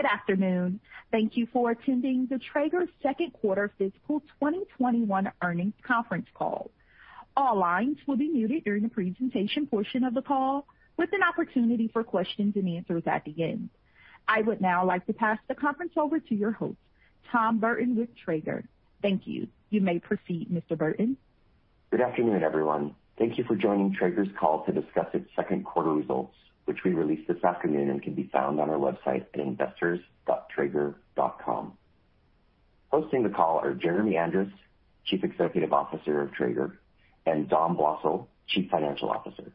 Good afternoon. Thank you for attending the Traeger second quarter fiscal 2021 earnings conference call. All lines will be muted during the presentation portion of the call, with an opportunity for questions and answers at the end. I would now like to pass the conference over to your host, Tom Burton with Traeger. Thank you. You may proceed, Mr. Burton. Good afternoon, everyone. Thank you for joining Traeger's call to discuss its second quarter results, which we released this afternoon and can be found on our website at investors.traeger.com. Hosting the call are Jeremy Andrus, Chief Executive Officer of Traeger, and Dominic Blosil, Chief Financial Officer.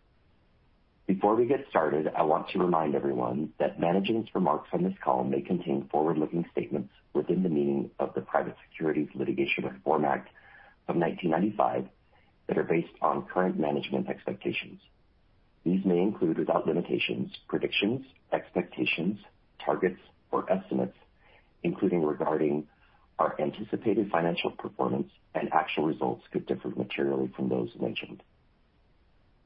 Before we get started, I want to remind everyone that management's remarks on this call may contain forward-looking statements within the meaning of the Private Securities Litigation Reform Act of 1995 that are based on current management expectations. These may include, without limitations, predictions, expectations, targets, or estimates, including regarding our anticipated financial performance, and actual results could differ materially from those mentioned.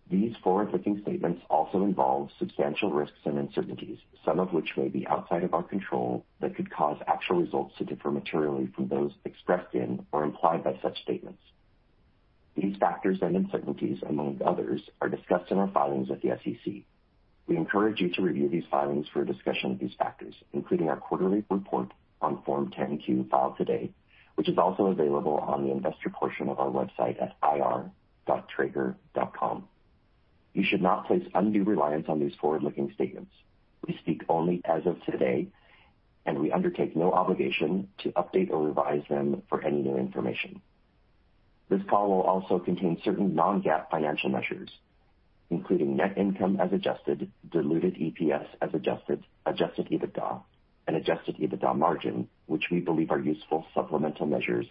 These forward-looking statements also involve substantial risks and uncertainties, some of which may be outside of our control, that could cause actual results to differ materially from those expressed in or implied by such statements. These factors and uncertainties, among others, are discussed in our filings with the SEC. We encourage you to review these filings for a discussion of these factors, including our quarterly report on Form 10-Q filed today, which is also available on the investor portion of our website at ir.traeger.com. You should not place undue reliance on these forward-looking statements. We speak only as of today, and we undertake no obligation to update or revise them for any new information. This call will also contain certain non-GAAP financial measures, including net income as adjusted, diluted EPS as adjusted EBITDA, and adjusted EBITDA margin, which we believe are useful supplemental measures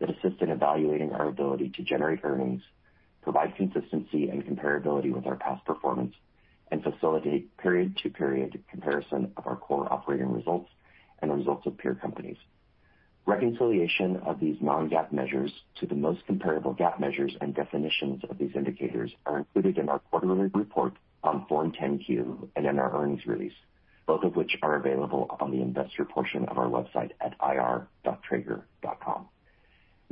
that assist in evaluating our ability to generate earnings, provide consistency and comparability with our past performance, and facilitate period-to-period comparison of our core operating results and the results of peer companies. Reconciliation of these non-GAAP measures to the most comparable GAAP measures and definitions of these indicators are included in our quarterly report on Form 10-Q and in our earnings release, both of which are available on the investor portion of our website at ir.traeger.com.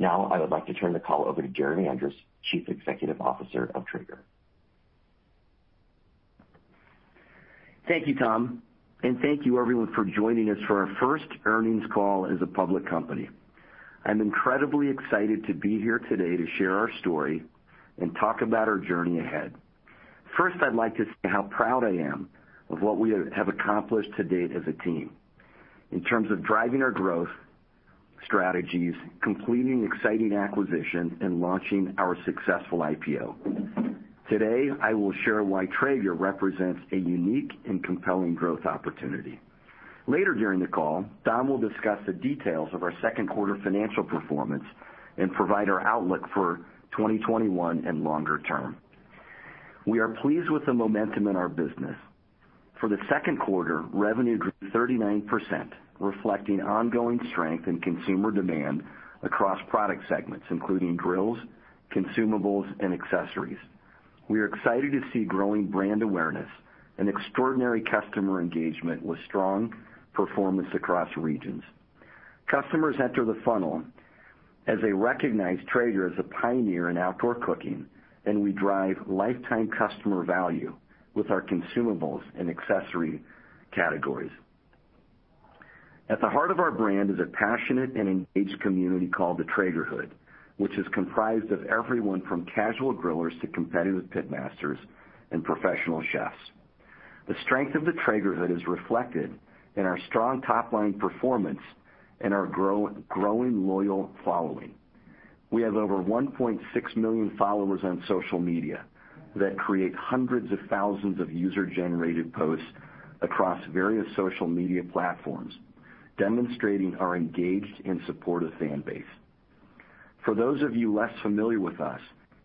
I would like to turn the call over to Jeremy Andrus, Chief Executive Officer of Traeger. Thank you, Tom, thank you everyone for joining us for our first earnings call as a public company. I'm incredibly excited to be here today to share our story and talk about our journey ahead. First, I'd like to say how proud I am of what we have accomplished to date as a team in terms of driving our growth strategies, completing exciting acquisitions, and launching our successful IPO. Today, I will share why Traeger represents a unique and compelling growth opportunity. Later during the call, Dom will discuss the details of our second quarter financial performance and provide our outlook for 2021 and longer term. We are pleased with the momentum in our business. For the second quarter, revenue grew 39%, reflecting ongoing strength in consumer demand across product segments, including grills, consumables, and accessories. We are excited to see growing brand awareness and extraordinary customer engagement with strong performance across regions. Customers enter the funnel as they recognize Traeger as a pioneer in outdoor cooking, and we drive lifetime customer value with our consumables and accessory categories. At the heart of our brand is a passionate and engaged community called the Traegerhood, which is comprised of everyone from casual grillers to competitive pit masters and professional chefs. The strength of the Traegerhood is reflected in our strong top-line performance and our growing loyal following. We have over 1.6 million followers on social media that create hundreds of thousands of user-generated posts across various social media platforms, demonstrating our engaged and supportive fan base. For those of you less familiar with us,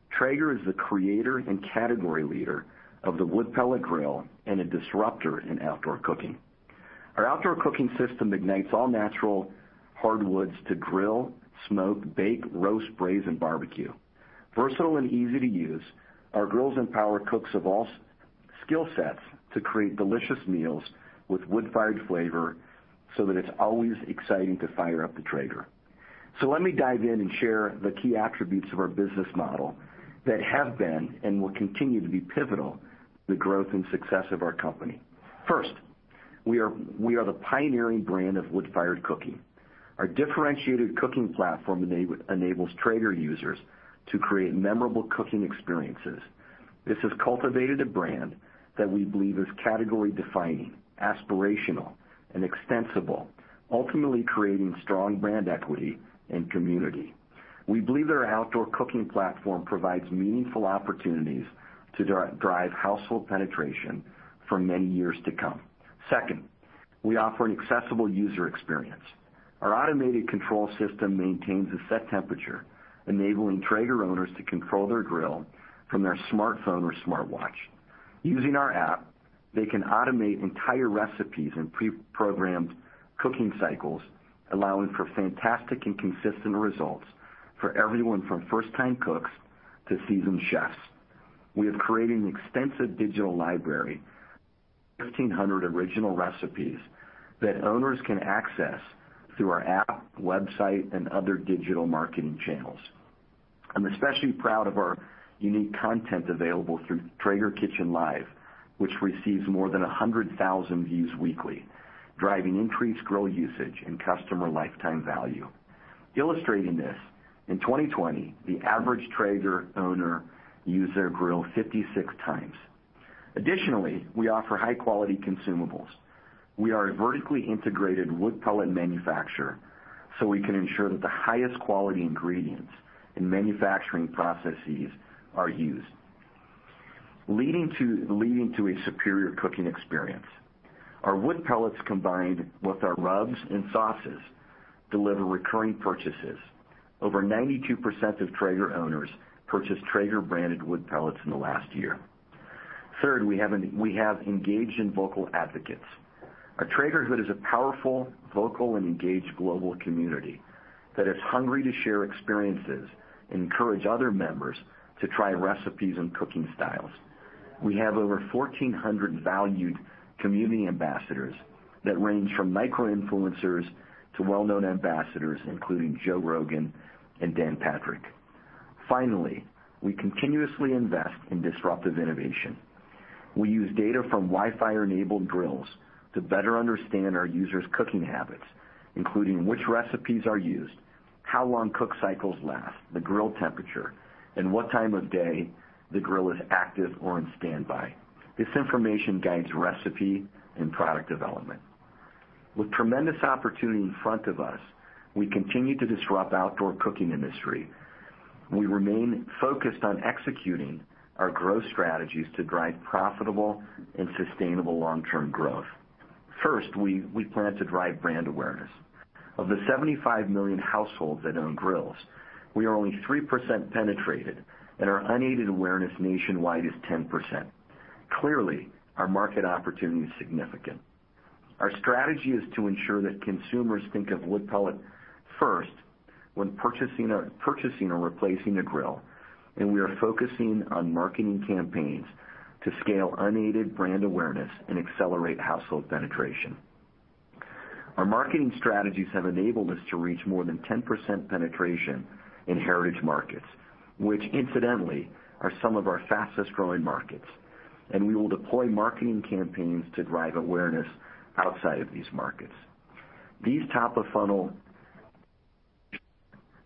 Traeger is the creator and category leader of the wood pellet grill and a disruptor in outdoor cooking. Our outdoor cooking system ignites all-natural hardwoods to grill, smoke, bake, roast, braise, and barbecue. Versatile and easy to use, our grills empower cooks of all skill sets to create delicious meals with wood-fired flavor so that it's always exciting to fire up the Traeger. Let me dive in and share the key attributes of our business model that have been and will continue to be pivotal to the growth and success of our company. First, we are the pioneering brand of wood-fired cooking. Our differentiated cooking platform enables Traeger users to create memorable cooking experiences. This has cultivated a brand that we believe is category-defining, aspirational, and extensible, ultimately creating strong brand equity and community. We believe that our outdoor cooking platform provides meaningful opportunities to drive household penetration for many years to come. Second, we offer an accessible user experience. Our automated control system maintains a set temperature, enabling Traeger owners to control their grill from their smartphone or smartwatch. Using our app, they can automate entire recipes and preprogrammed cooking cycles, allowing for fantastic and consistent results for everyone from first-time cooks to seasoned chefs. We have created an extensive digital library, 1,500 original recipes that owners can access through our app, website, and other digital marketing channels. I'm especially proud of our unique content available through Traeger Kitchen Live, which receives more than 100,000 views weekly, driving increased grill usage and customer lifetime value. Illustrating this, in 2020, the average Traeger owner used their grill 56 times. Additionally, we offer high-quality consumables. We are a vertically integrated wood pellet manufacturer, so we can ensure that the highest quality ingredients and manufacturing processes are used, leading to a superior cooking experience. Our wood pellets, combined with our rubs and sauces, deliver recurring purchases. Over 92% of Traeger owners purchased Traeger-branded wood pellets in the last year. Third, we have engaged and vocal advocates. Our Traegerhood is a powerful, vocal, and engaged global community that is hungry to share experiences and encourage other members to try recipes and cooking styles. We have over 1,400 valued community ambassadors that range from micro-influencers to well-known ambassadors, including Joe Rogan and Dan Patrick. Finally, we continuously invest in disruptive innovation. We use data from Wi-Fi-enabled grills to better understand our users' cooking habits, including which recipes are used, how long cook cycles last, the grill temperature, and what time of day the grill is active or on standby. This information guides recipe and product development. With tremendous opportunity in front of us, we continue to disrupt outdoor cooking industry. We remain focused on executing our growth strategies to drive profitable and sustainable long-term growth. First, we plan to drive brand awareness. Of the 75 million households that own grills, we are only 3% penetrated, and our unaided awareness nationwide is 10%. Clearly, our market opportunity is significant. Our strategy is to ensure that consumers think of wood pellet first when purchasing or replacing a grill, and we are focusing on marketing campaigns to scale unaided brand awareness and accelerate household penetration. Our marketing strategies have enabled us to reach more than 10% penetration in heritage markets, which incidentally, are some of our fastest-growing markets, and we will deploy marketing campaigns to drive awareness outside of these markets. These top of funnel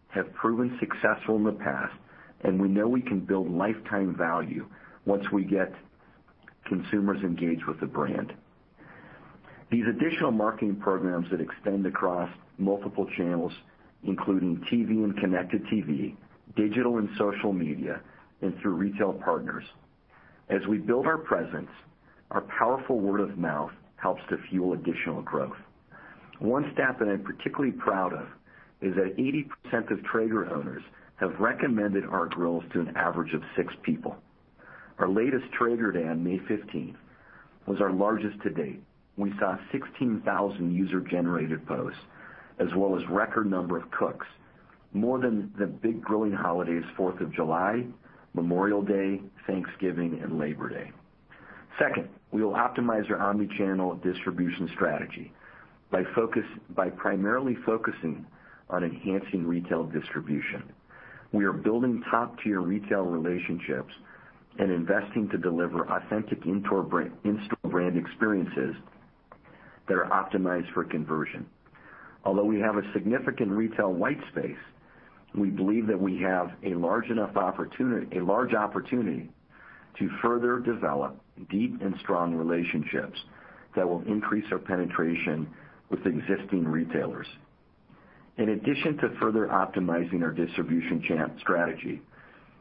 have proven successful in the past, and we know we can build lifetime value once we get consumers engaged with the brand. These additional marketing programs that extend across multiple channels, including TV and connected TV, digital and social media, and through retail partners. As we build our presence, our powerful word of mouth helps to fuel additional growth. One stat that I'm particularly proud of is that 80% of Traeger owners have recommended our grills to an average of six people. Our latest Traeger Day on May 15 was our largest to date. We saw 16,000 user-generated posts as well as record number of cooks, more than the big grilling holidays, 4th of July, Memorial Day, Thanksgiving, and Labor Day. Second, we will optimize our omni-channel distribution strategy by primarily focusing on enhancing retail distribution. We are building top-tier retail relationships and investing to deliver authentic in-store brand experiences that are optimized for conversion. Although we have a significant retail white space, we believe that we have a large opportunity to further develop deep and strong relationships that will increase our penetration with existing retailers. In addition to further optimizing our distribution strategy,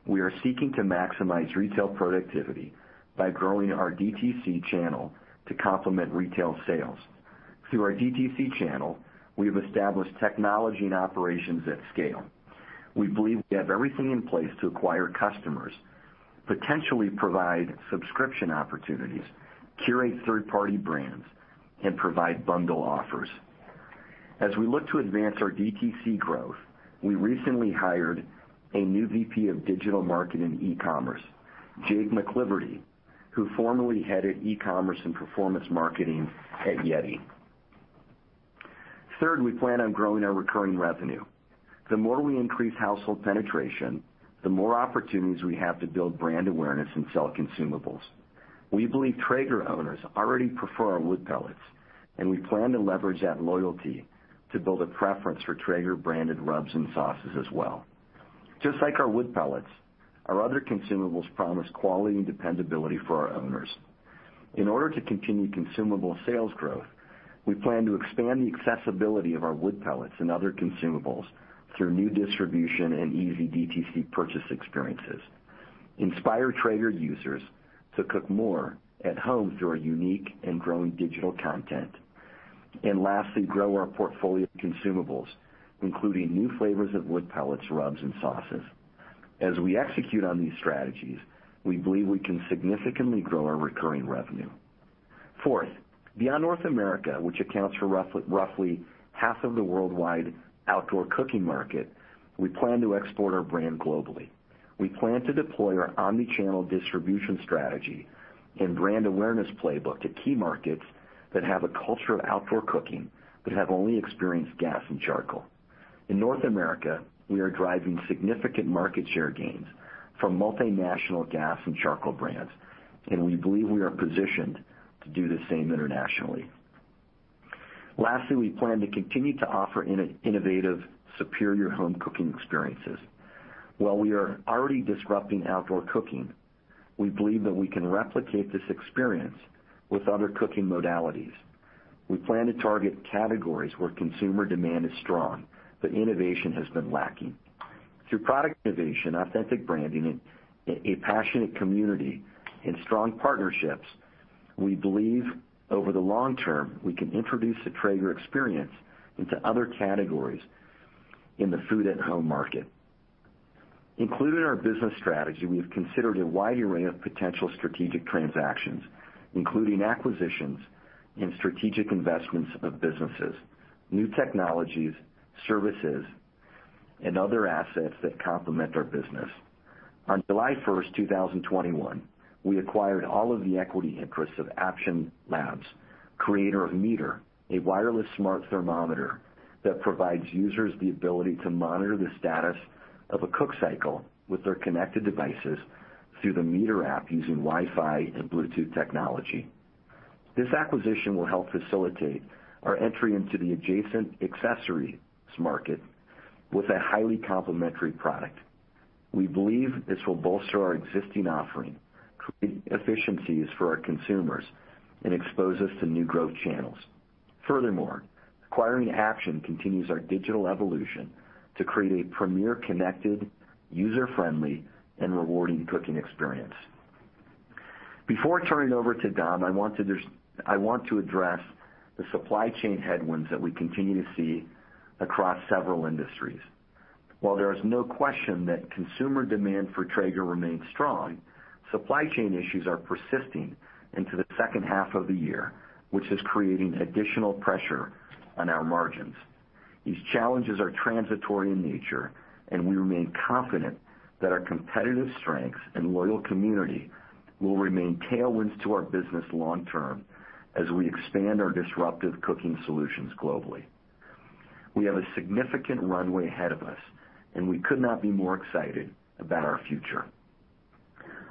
we are seeking to maximize retail productivity by growing our DTC channel to complement retail sales. Through our DTC channel, we have established technology and operations at scale. We believe we have everything in place to acquire customers, potentially provide subscription opportunities, curate third-party brands, and provide bundle offers. As we look to advance our DTC growth, we recently hired a new VP of digital marketing and e-commerce, Jake McGlothlin, who formerly headed e-commerce and performance marketing at YETI. Third, we plan on growing our recurring revenue. The more we increase household penetration, the more opportunities we have to build brand awareness and sell consumables. We believe Traeger owners already prefer our wood pellets, and we plan to leverage that loyalty to build a preference for Traeger-branded rubs and sauces as well. Just like our wood pellets, our other consumables promise quality and dependability for our owners. In order to continue consumable sales growth, we plan to expand the accessibility of our wood pellets and other consumables through new distribution and easy DTC purchase experiences, inspire Traeger users to cook more at home through our unique and growing digital content. Lastly, grow our portfolio of consumables, including new flavors of wood pellets, rubs, and sauces. As we execute on these strategies, we believe we can significantly grow our recurring revenue. Fourth, beyond North America, which accounts for roughly half of the worldwide outdoor cooking market, we plan to export our brand globally. We plan to deploy our omni-channel distribution strategy and brand awareness playbook to key markets that have a culture of outdoor cooking, but have only experienced gas and charcoal. In North America, we are driving significant market share gains from multinational gas and charcoal brands, and we believe we are positioned to do the same internationally. Lastly, we plan to continue to offer innovative, superior home cooking experiences. While we are already disrupting outdoor cooking, we believe that we can replicate this experience with other cooking modalities. We plan to target categories where consumer demand is strong, but innovation has been lacking. Through product innovation, authentic branding, a passionate community, and strong partnerships, we believe over the long term, we can introduce the Traeger experience into other categories in the food at home market. Included in our business strategy, we have considered a wide array of potential strategic transactions, including acquisitions and strategic investments of businesses, new technologies, services, and other assets that complement our business. On July 1, 2021, we acquired all of the equity interests of Apption Labs, creator of MEATER, a wireless smart thermometer that provides users the ability to monitor the status of a cook cycle with their connected devices through the MEATER app using Wi-Fi and Bluetooth technology. This acquisition will help facilitate our entry into the adjacent accessories market with a highly complementary product. We believe this will bolster our existing offering, create efficiencies for our consumers, and expose us to new growth channels. Furthermore, acquiring Apption continues our digital evolution to create a premier connected, user-friendly, and rewarding cooking experience. Before turning over to Dom, I want to address the supply chain headwinds that we continue to see across several industries. While there is no question that consumer demand for Traeger remains strong, supply chain issues are persisting into the second half of the year, which is creating additional pressure on our margins. These challenges are transitory in nature, and we remain confident that our competitive strengths and loyal community will remain tailwinds to our business long term as we expand our disruptive cooking solutions globally. We have a significant runway ahead of us, and we could not be more excited about our future.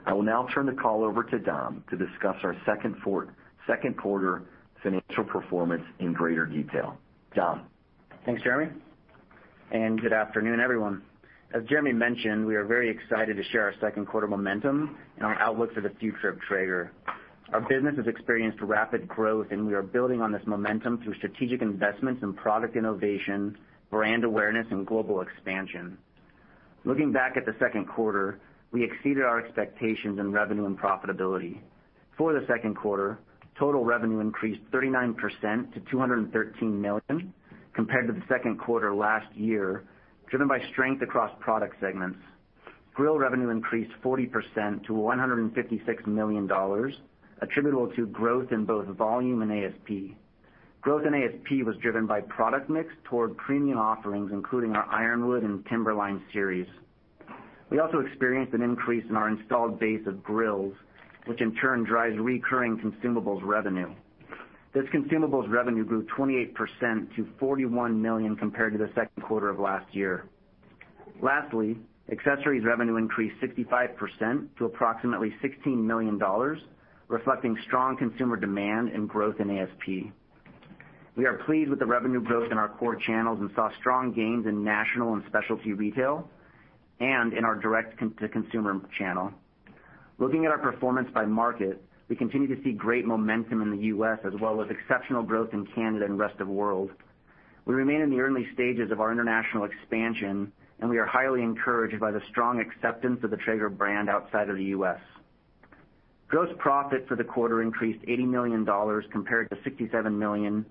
I will now turn the call over to Dom to discuss our second quarter financial performance in greater detail. Dom? Thanks, Jeremy. Good afternoon, everyone. As Jeremy mentioned, we are very excited to share our second quarter momentum and our outlook for the future of Traeger. Our business has experienced rapid growth, and we are building on this momentum through strategic investments in product innovation, brand awareness, and global expansion. Looking back at the second quarter, we exceeded our expectations in revenue and profitability. For the second quarter, total revenue increased 39% to $213 million compared to the second quarter last year, driven by strength across product segments. Grill revenue increased 40% to $156 million, attributable to growth in both volume and ASP. Growth in ASP was driven by product mix toward premium offerings, including our Ironwood and Timberline series. We also experienced an increase in our installed base of grills, which in turn drives recurring consumables revenue. This consumables revenue grew 28% to $41 million compared to the second quarter of last year. Lastly, accessories revenue increased 65% to approximately $16 million, reflecting strong consumer demand and growth in ASP. We are pleased with the revenue growth in our core channels and saw strong gains in national and specialty retail and in our direct-to-consumer channel. Looking at our performance by market, we continue to see great momentum in the U.S. as well as exceptional growth in Canada and rest of world. We remain in the early stages of our international expansion, and we are highly encouraged by the strong acceptance of the Traeger brand outside of the U.S. Gross profit for the quarter increased $80 million compared to $67 million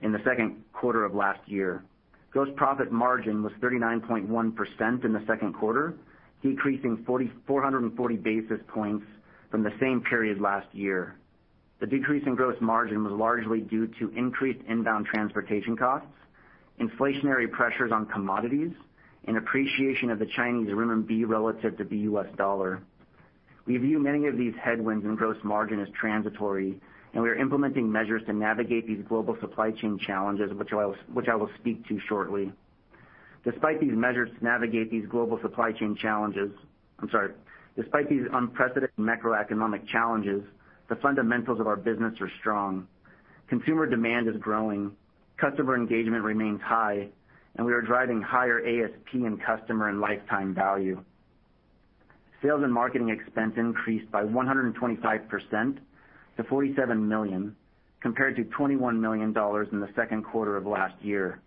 in the second quarter of last year. Gross profit margin was 39.1% in the second quarter, decreasing 440 basis points from the same period last year. The decrease in gross margin was largely due to increased inbound transportation costs, inflationary pressures on commodities, and appreciation of the Chinese renminbi relative to the US dollar. We view many of these headwinds in gross margin as transitory, and we are implementing measures to navigate these global supply chain challenges, which I will speak to shortly. Despite these unprecedented macroeconomic challenges, the fundamentals of our business are strong. Consumer demand is growing, customer engagement remains high, and we are driving higher ASP in customer and lifetime value. Sales and marketing expense increased by 125% to $47 million, compared to $21 million in the second quarter of last year.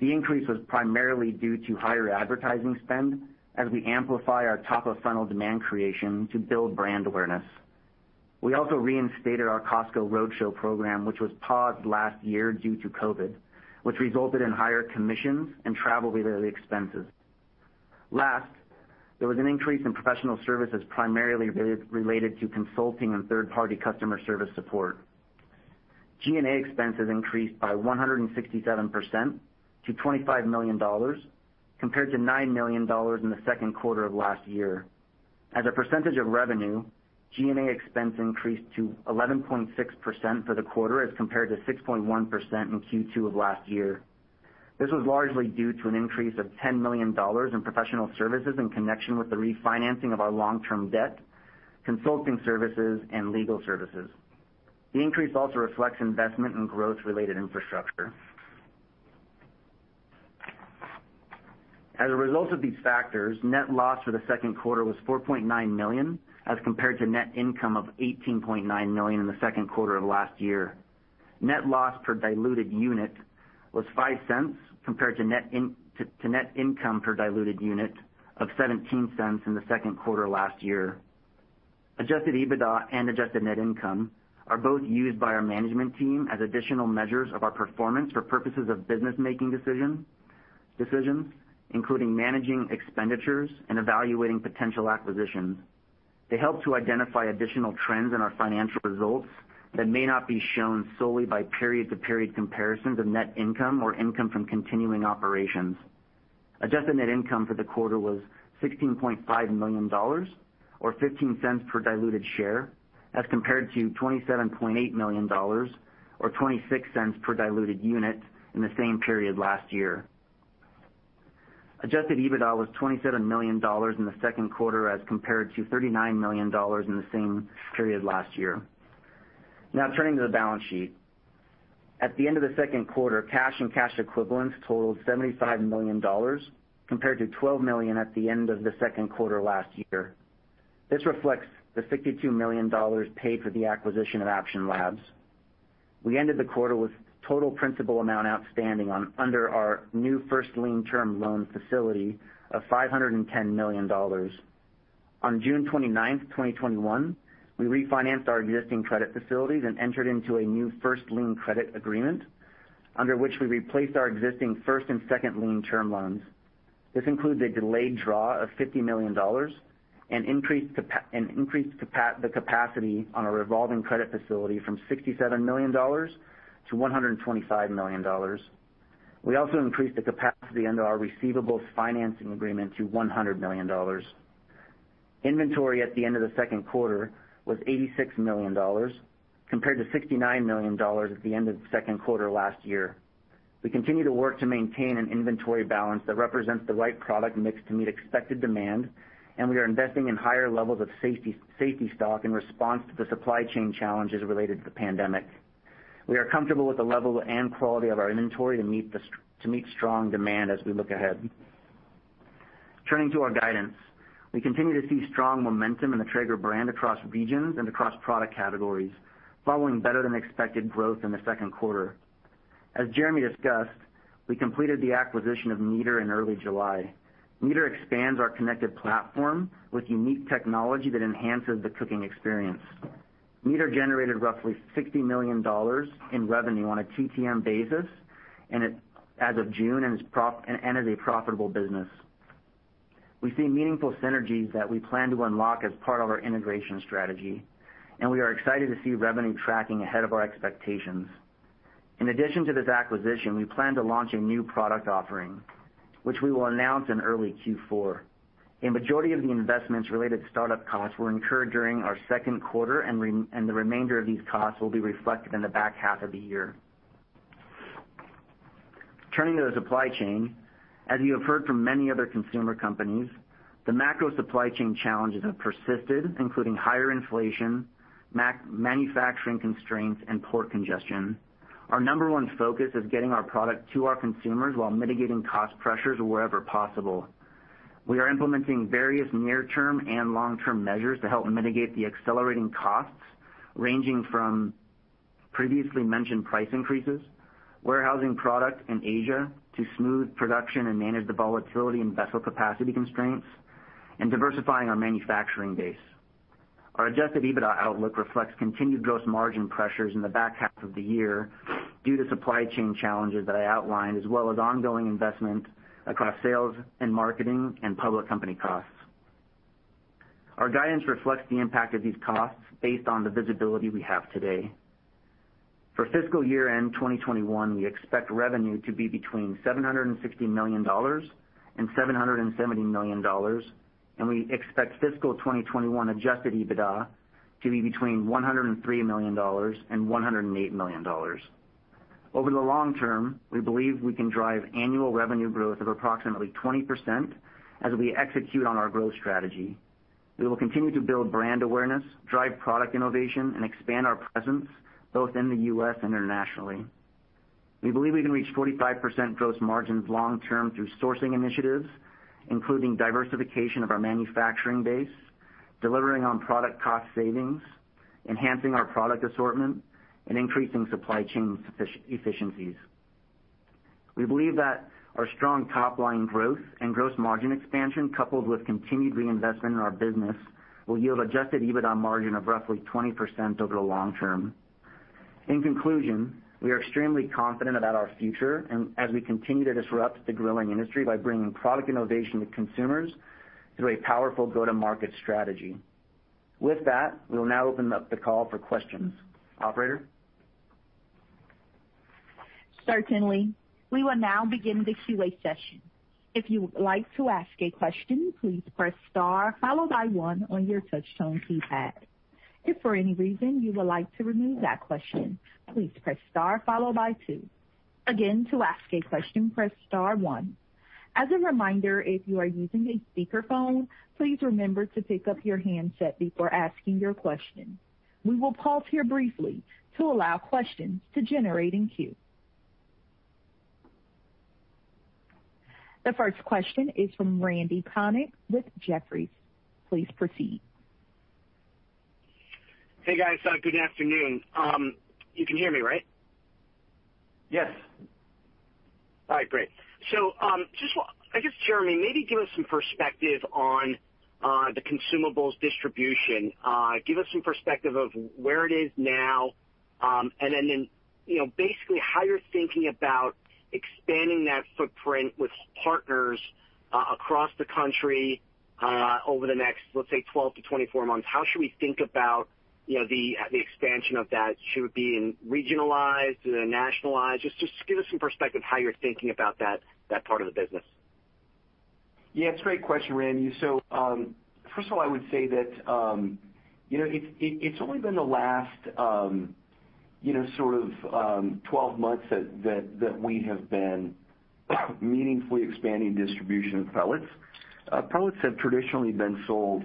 The increase was primarily due to higher advertising spend as we amplify our top-of-funnel demand creation to build brand awareness. We also reinstated our Costco roadshow program, which was paused last year due to COVID, which resulted in higher commissions and travel-related expenses. There was an increase in professional services primarily related to consulting and third-party customer service support. G&A expenses increased by 167% to $25 million, compared to $9 million in the second quarter of last year. As a percentage of revenue, G&A expense increased to 11.6% for the quarter as compared to 6.1% in Q2 of last year. This was largely due to an increase of $10 million in professional services in connection with the refinancing of our long-term debt, consulting services, and legal services. The increase also reflects investment in growth-related infrastructure. As a result of these factors, net loss for the second quarter was $4.9 million, as compared to net income of $18.9 million in the second quarter of last year. Net loss per diluted unit was $0.05, compared to net income per diluted unit of $0.17 in the second quarter last year. Adjusted EBITDA and adjusted net income are both used by our management team as additional measures of our performance for purposes of business-making decisions, including managing expenditures and evaluating potential acquisitions. They help to identify additional trends in our financial results that may not be shown solely by period-to-period comparisons of net income or income from continuing operations. Adjusted net income for the quarter was $16.5 million or $0.15 per diluted share as compared to $27.8 million or $0.26 per diluted unit in the same period last year. Adjusted EBITDA was $27 million in the second quarter as compared to $39 million in the same period last year. Now, turning to the balance sheet. At the end of the second quarter, cash and cash equivalents totaled $75 million compared to $12 million at the end of the second quarter last year. This reflects the $62 million paid for the acquisition of Apption Labs. We ended the quarter with total principal amount outstanding under our new first-lien term loan facility of $510 million. On June 29, 2021, we refinanced our existing credit facilities and entered into a new first-lien credit agreement, under which we replaced our existing first and second lien term loans. This includes a delayed draw of $50 million and increased the capacity on our revolving credit facility from $67 million to $125 million. We also increased the capacity under our receivables financing agreement to $100 million. Inventory at the end of the second quarter was $86 million, compared to $69 million at the end of the second quarter last year. We continue to work to maintain an inventory balance that represents the right product mix to meet expected demand. We are investing in higher levels of safety stock in response to the supply chain challenges related to the pandemic. We are comfortable with the level and quality of our inventory to meet strong demand as we look ahead. Turning to our guidance. We continue to see strong momentum in the Traeger brand across regions and across product categories, following better-than-expected growth in Q2. As Jeremy discussed, we completed the acquisition of MEATER in early July. MEATER expands our connected platform with unique technology that enhances the cooking experience. MEATER generated roughly $60 million in revenue on a TTM basis, and as of June, and is a profitable business. We see meaningful synergies that we plan to unlock as part of our integration strategy, and we are excited to see revenue tracking ahead of our expectations. In addition to this acquisition, we plan to launch a new product offering, which we will announce in early Q4. A majority of the investments related to startup costs were incurred during our second quarter, and the remainder of these costs will be reflected in the back half of the year. Turning to the supply chain. As you have heard from many other consumer companies, the macro supply chain challenges have persisted, including higher inflation, manufacturing constraints, and port congestion. Our number one focus is getting our product to our consumers while mitigating cost pressures wherever possible. We are implementing various near-term and long-term measures to help mitigate the accelerating costs, ranging from previously mentioned price increases, warehousing product in Asia to smooth production and manage the volatility in vessel capacity constraints, and diversifying our manufacturing base. Our adjusted EBITDA outlook reflects continued gross margin pressures in the back half of the year due to supply chain challenges that I outlined, as well as ongoing investment across sales and marketing and public company costs. Our guidance reflects the impact of these costs based on the visibility we have today. For fiscal year-end 2021, we expect revenue to be between $760 million and $770 million, and we expect fiscal 2021 adjusted EBITDA to be between $103 million and $108 million. Over the long term, we believe we can drive annual revenue growth of approximately 20% as we execute on our growth strategy. We will continue to build brand awareness, drive product innovation, and expand our presence both in the U.S. and internationally. We believe we can reach 45% gross margins long term through sourcing initiatives, including diversification of our manufacturing base, delivering on product cost savings, enhancing our product assortment, and increasing supply chain efficiencies. We believe that our strong top-line growth and gross margin expansion, coupled with continued reinvestment in our business, will yield adjusted EBITDA margin of roughly 20% over the long term. In conclusion, we are extremely confident about our future and as we continue to disrupt the grilling industry by bringing product innovation to consumers through a powerful go-to-market strategy. With that, we'll now open up the call for questions. Operator? Certainly. We will now begin the QA session. If you would like to ask a question, please press star, followed by one on your touchtone keypad. If for any reason you would like to remove that question, please press star followed by two. Again, to ask a question, press star one. As a reminder, if you are using a speakerphone, please remember to pick up your handset before asking your question. We will pause here briefly to allow questions to generate in queue. The first question is from Randy Konik with Jefferies. Please proceed. Hey, guys. Good afternoon. You can hear me, right? Yes. All right, great. I guess, Jeremy, maybe give us some perspective on the consumables distribution. Give us some perspective of where it is now, and then basically how you're thinking about expanding that footprint with partners across the country over the next, let's say, 12-24 months. How should we think about the expansion of that? Should it be regionalized? Nationalized? Just give us some perspective how you're thinking about that part of the business. Yeah, it's a great question, Randy. First of all, I would say that it's only been the last sort of 12 months that we have been meaningfully expanding distribution of pellets. Pellets have traditionally been sold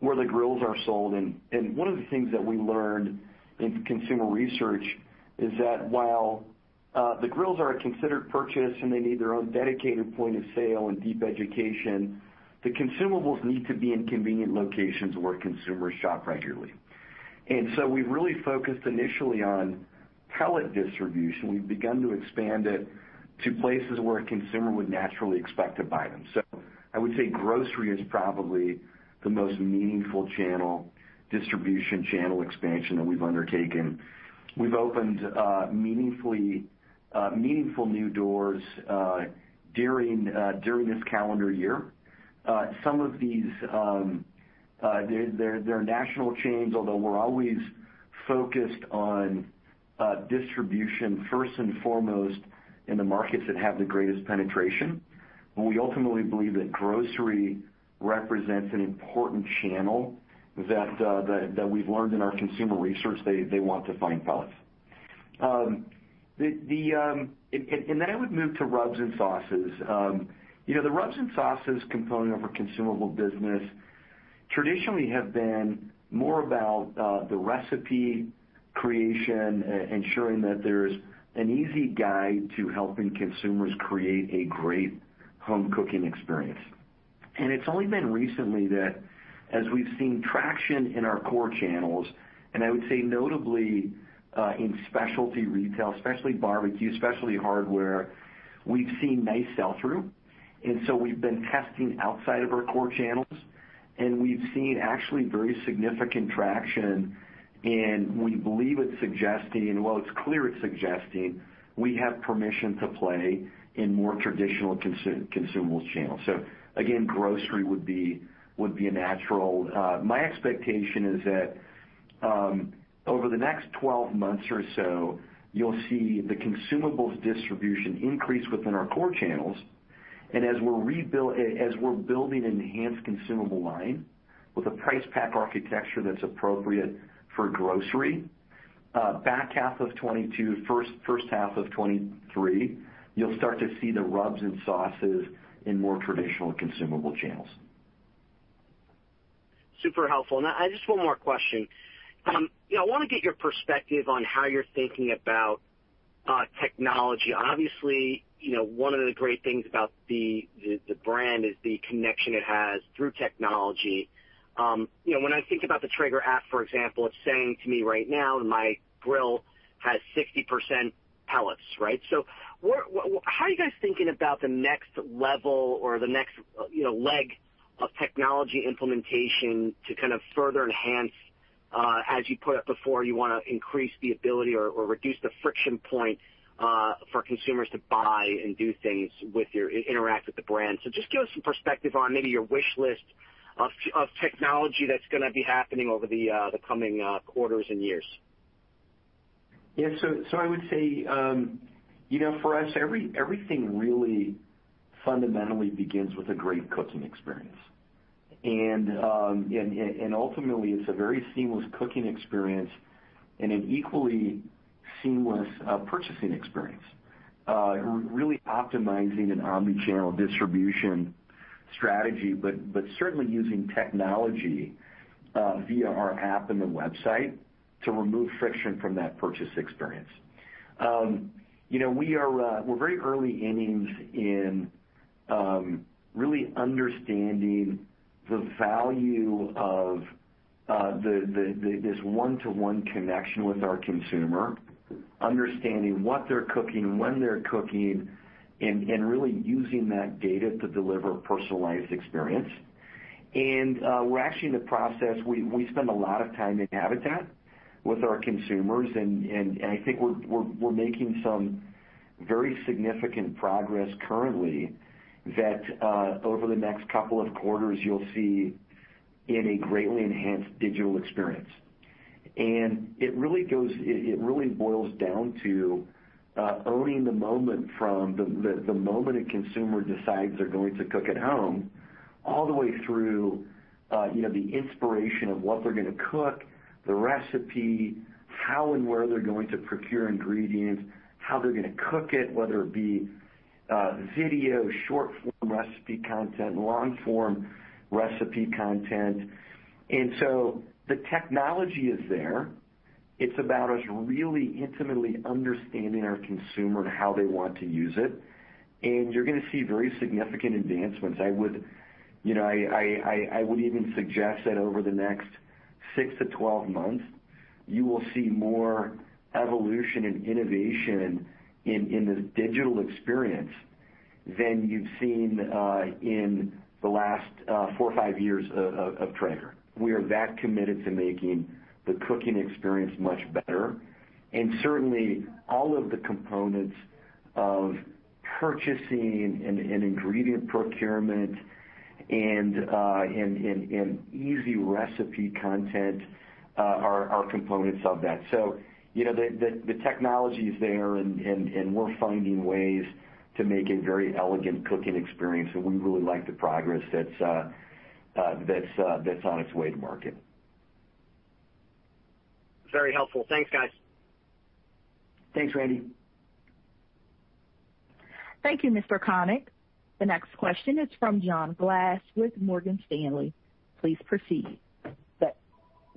where the grills are sold, one of the things that we learned in consumer research is that while the grills are a considered purchase and they need their own dedicated point of sale and deep education, the consumables need to be in convenient locations where consumers shop regularly. We've really focused initially on pellet distribution. We've begun to expand it to places where a consumer would naturally expect to buy them. I would say grocery is probably the most meaningful distribution channel expansion that we've undertaken. We've opened meaningful new doors during this calendar year. Some of these, they're national chains, although we're always focused on distribution first and foremost in the markets that have the greatest penetration. We ultimately believe that grocery represents an important channel that we've learned in our consumer research they want to find pellets. I would move to rubs and sauces. The rubs and sauces component of our consumable business traditionally have been more about the recipe creation, ensuring that there's an easy guide to helping consumers create a great home cooking experience. It's only been recently that as we've seen traction in our core channels, and I would say notably in specialty retail, especially barbecue, specialty hardware, we've seen nice sell-through. We've been testing outside of our core channels, we've seen actually very significant traction, and we believe it's suggesting, well, it's clear it's suggesting we have permission to play in more traditional consumables channels. Grocery would be natural. My expectation is that over the next 12 months or so, you'll see the consumables distribution increase within our core channels. As we're building an enhanced consumable line with a price pack architecture that's appropriate for grocery, back half of 2022, first half of 2023, you'll start to see the rubs and sauces in more traditional consumable channels. Super helpful. Just one more question. I want to get your perspective on how you're thinking about technology. Obviously, one of the great things about the brand is the connection it has through technology. When I think about the Traeger app, for example, it's saying to me right now, my grill has 60% pellets, right? How are you guys thinking about the next level or the next leg of technology implementation to kind of further enhance, as you put it before, you want to increase the ability or reduce the friction point for consumers to buy and do things with interact with the brand. Just give us some perspective on maybe your wish list of technology that's going to be happening over the coming quarters and years. Yeah. I would say, for us, everything really fundamentally begins with a great cooking experience. Ultimately, it's a very seamless cooking experience and an equally seamless purchasing experience. Really optimizing an omni-channel distribution strategy, but certainly using technology via our app and the website to remove friction from that purchase experience. We're very early innings in really understanding the value of this one-to-one connection with our consumer. Understanding what they're cooking, when they're cooking, and really using that data to deliver a personalized experience. We're actually in the process, we spend a lot of time in-habitat with our consumers, and I think we're making some very significant progress currently that, over the next couple of quarters, you'll see in a greatly enhanced digital experience. It really boils down to owning the moment from the moment a consumer decides they're going to cook at home, all the way through the inspiration of what they're going to cook, the recipe, how and where they're going to procure ingredients, how they're going to cook it, whether it be video, short-form recipe content, long-form recipe content. The technology is there. It's about us really intimately understanding our consumer and how they want to use it. You're going to see very significant advancements. I would even suggest that over the next six to 12 months, you will see more evolution and innovation in the digital experience than you've seen in the last four or five years of Traeger. We are that committed to making the cooking experience much better, and certainly all of the components of purchasing and ingredient procurement and easy recipe content are components of that. The technology is there, and we're finding ways to make a very elegant cooking experience, and we really like the progress that's on its way to market. Very helpful. Thanks, guys. Thanks, Randy. Thank you, Mr. Konik. The next question is from John Glass with Morgan Stanley. Please proceed.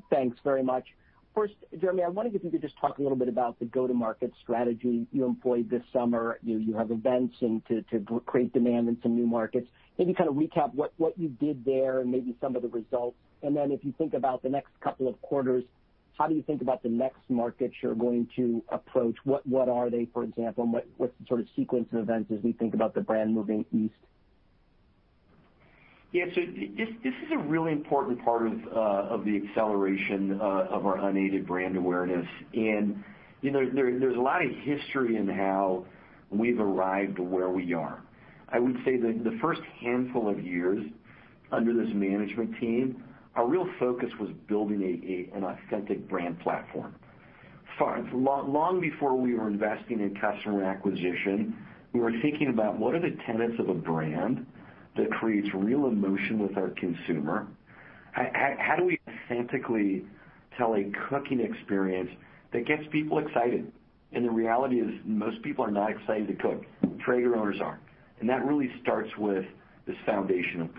Thanks very much. First, Jeremy, I wonder if you could just talk a little bit about the go-to-market strategy you employed this summer. You have events to create demand in some new markets. Maybe kind of recap what you did there and maybe some of the results. If you think about the next couple of quarters, how do you think about the next markets you're going to approach? What are they, for example? What's the sort of sequence of events as we think about the brand moving east? Yeah. This is a really important part of the acceleration of our unaided brand awareness. There's a lot of history in how we've arrived where we are. I would say that the first handful of years under this management team, our real focus was building an authentic brand platform. Long before we were investing in customer acquisition, we were thinking about what are the tenets of a brand that creates real emotion with our consumer? How do we authentically tell a cooking experience that gets people excited? The reality is, most people are not excited to cook. Traeger owners are. That really starts with this foundation of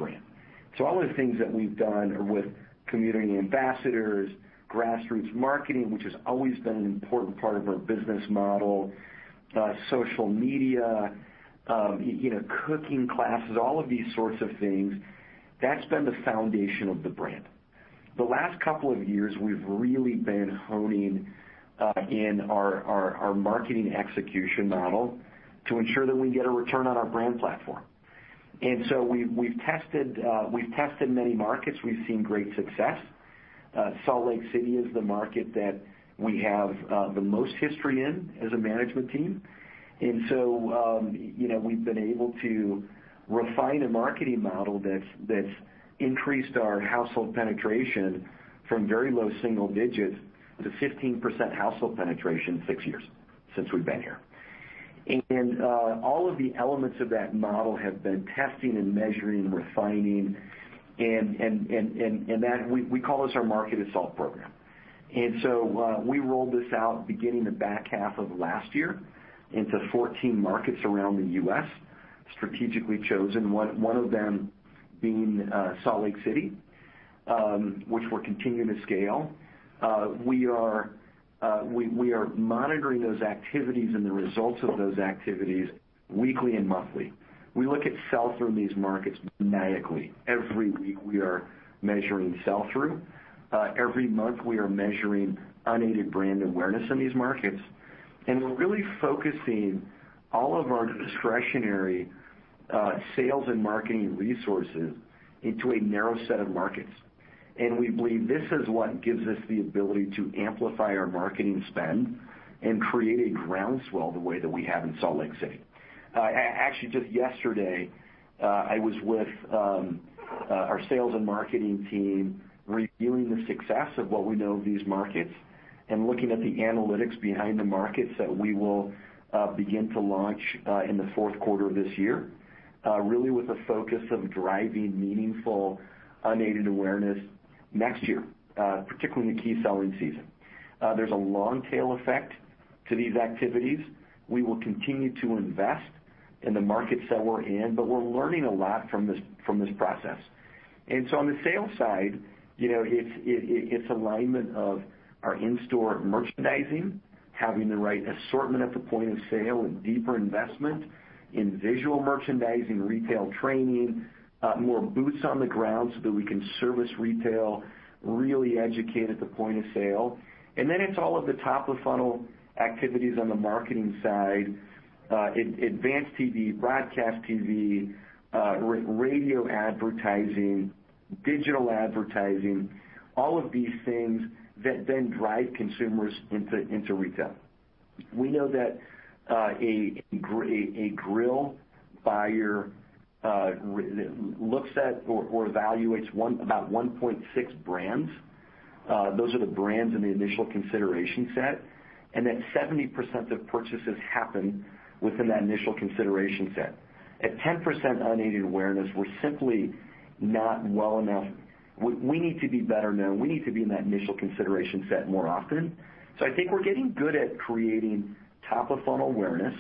brand. All of the things that we've done with community ambassadors, grassroots marketing, which has always been an important part of our business model, social media, cooking classes, all of these sorts of things, that's been the foundation of the brand. The last couple of years, we've really been honing in our marketing execution model to ensure that we get a return on our brand platform. We've tested many markets. We've seen great success. Salt Lake City is the market that we have the most history in as a management team. We've been able to refine a marketing model that's increased our household penetration from very low single digits to 15% household penetration in six years since we've been here. All of the elements of that model have been testing and measuring and refining, and we call this our Market Assault program. We rolled this out beginning the back half of last year into 14 markets around the U.S., strategically chosen, one of them being Salt Lake City, which we're continuing to scale. We are monitoring those activities and the results of those activities weekly and monthly. We look at sell-through in these markets maniacally. Every week, we are measuring sell-through. Every month, we are measuring unaided brand awareness in these markets. We're really focusing all of our discretionary sales and marketing resources into a narrow set of markets. We believe this is what gives us the ability to amplify our marketing spend and create a groundswell the way that we have in Salt Lake City. Actually, just yesterday, I was with our sales and marketing team reviewing the success of what we know of these markets and looking at the analytics behind the markets that we will begin to launch in the fourth quarter of this year, really with a focus of driving meaningful unaided awareness next year, particularly in the key selling season. There's a long tail effect to these activities. We will continue to invest in the markets that we're in, but we're learning a lot from this process. On the sales side, it's alignment of our in-store merchandising, having the right assortment at the point of sale and deeper investment in visual merchandising, retail training, more boots on the ground so that we can service retail, really educate at the point of sale. It's all of the top-of-funnel activities on the marketing side, advanced TV, broadcast TV, radio advertising, digital advertising, all of these things that then drive consumers into retail. We know that a grill buyer looks at or evaluates about 1.6 brands. Those are the brands in the initial consideration set, and that 70% of purchases happen within that initial consideration set. At 10% unaided awareness, we're simply not well enough. We need to be better known. We need to be in that initial consideration set more often. I think we're getting good at creating top-of-funnel awareness,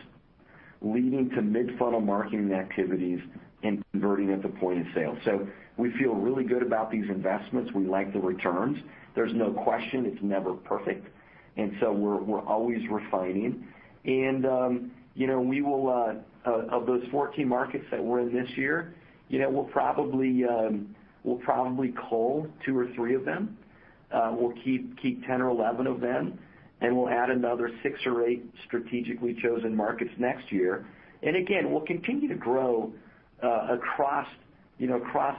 leading to mid-funnel marketing activities, and converting at the point of sale. We feel really good about these investments. We like the returns. There's no question it's never perfect, we're always refining. Of those 14 markets that we're in this year, we'll probably cull two or three of them. We'll keep 10 or 11 of them, and we'll add another six or eight strategically chosen markets next year. Again, we'll continue to grow across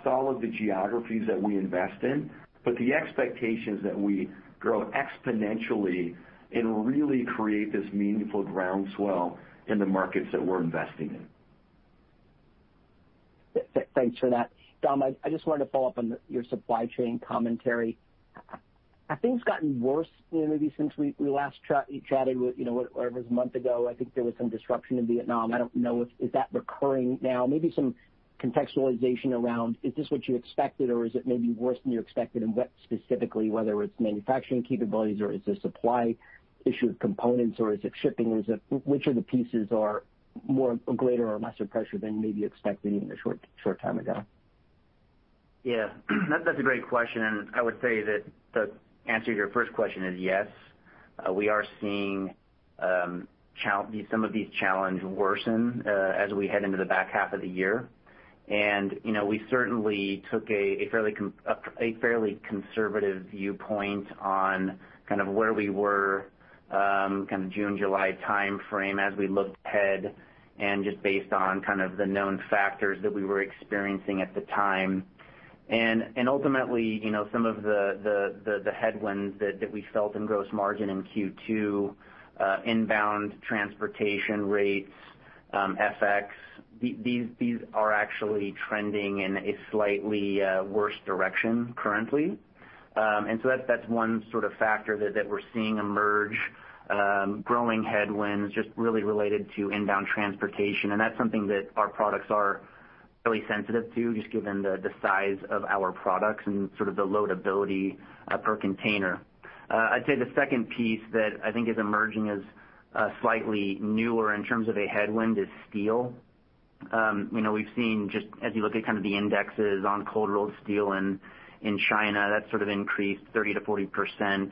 all of the geographies that we invest in. The expectation is that we grow exponentially and really create this meaningful groundswell in the markets that we're investing in. Thanks for that. Dom, I just wanted to follow up on your supply chain commentary. Have things gotten worse maybe since we last chatted, whatever it was, a month ago? I think there was some disruption in Vietnam. I don't know. Is that recurring now? Maybe some contextualization around, is this what you expected or is it maybe worse than you expected? What specifically, whether it's manufacturing capabilities or is it supply issue of components or is it shipping? Which of the pieces are greater or lesser pressure than maybe expected even a short time ago? Yes. That's a great question, and I would say that the answer to your 1st question is yes. We certainly took a fairly conservative viewpoint on where we were June, July timeframe as we looked ahead and just based on the known factors that we were experiencing at the time. Ultimately, some of the headwinds that we felt in gross margin in Q2, inbound transportation rates, FX, these are actually trending in a slightly worse direction currently. That's one factor that we're seeing emerge, growing headwinds just really related to inbound transportation. That's something that our products are really sensitive to, just given the size of our products and the loadability per container. I'd say the second piece that I think is emerging as slightly newer in terms of a headwind is steel. We've seen, just as you look at the indexes on cold rolled steel in China, that's increased 30%-40%,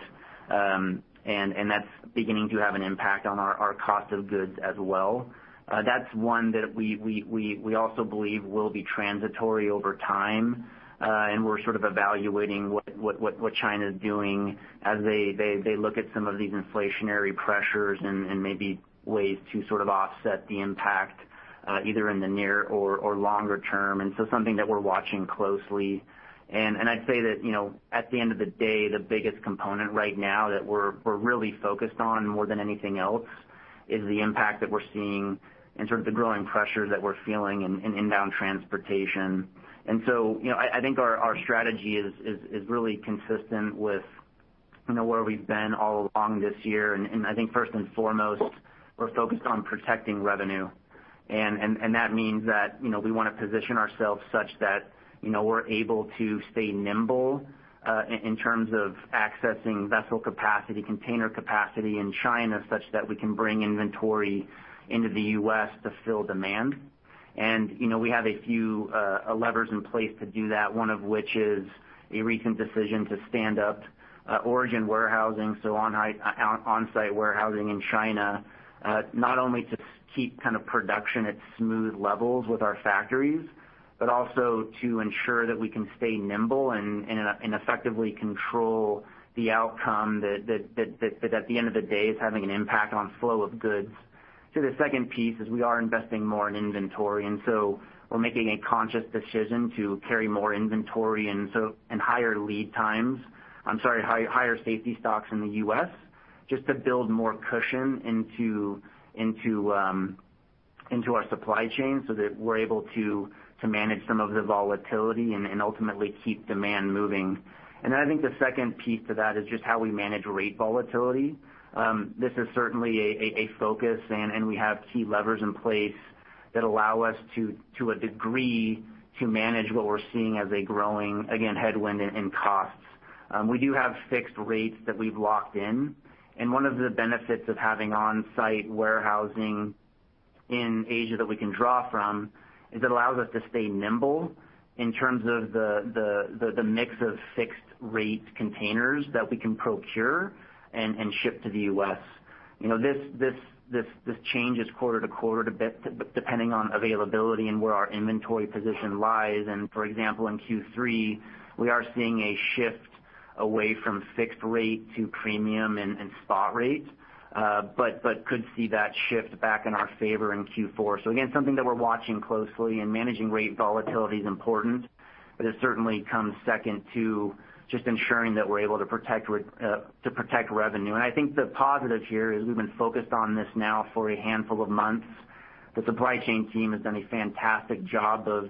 and that's beginning to have an impact on our cost of goods as well. That's one that we also believe will be transitory over time. We're evaluating what China's doing as they look at some of these inflationary pressures and maybe ways to offset the impact, either in the near or longer term. Something that we're watching closely. I'd say that at the end of the day, the biggest component right now that we're really focused on more than anything else is the impact that we're seeing and the growing pressures that we're feeling in inbound transportation. I think our strategy is really consistent with where we've been all along this year. I think first and foremost, we're focused on protecting revenue. That means that we want to position ourselves such that we're able to stay nimble in terms of accessing vessel capacity, container capacity in China, such that we can bring inventory into the U.S. to fill demand. We have a few levers in place to do that, one of which is a recent decision to stand up origin warehousing, so onsite warehousing in China, not only to keep production at smooth levels with our factories, but also to ensure that we can stay nimble and effectively control the outcome that at the end of the day is having an impact on flow of goods. The second piece is we are investing more in inventory, and so we're making a conscious decision to carry more inventory and higher safety stocks in the U.S. just to build more cushion into our supply chain so that we're able to manage some of the volatility and ultimately keep demand moving. I think the second piece to that is just how we manage rate volatility. This is certainly a focus, and we have key levers in place that allow us to a degree to manage what we're seeing as a growing, again, headwind in costs. We do have fixed rates that we've locked in, one of the benefits of having onsite warehousing in Asia that we can draw from is it allows us to stay nimble in terms of the mix of fixed rate containers that we can procure and ship to the U.S. This changes quarter-to-quarter a bit depending on availability and where our inventory position lies. For example, in Q3, we are seeing a shift away from fixed rate to premium and spot rates. Could see that shift back in our favor in Q4. Again, something that we're watching closely, and managing rate volatility is important. It certainly comes second to just ensuring that we're able to protect revenue. I think the positive here is we've been focused on this now for a handful of months. The supply chain team has done a fantastic job of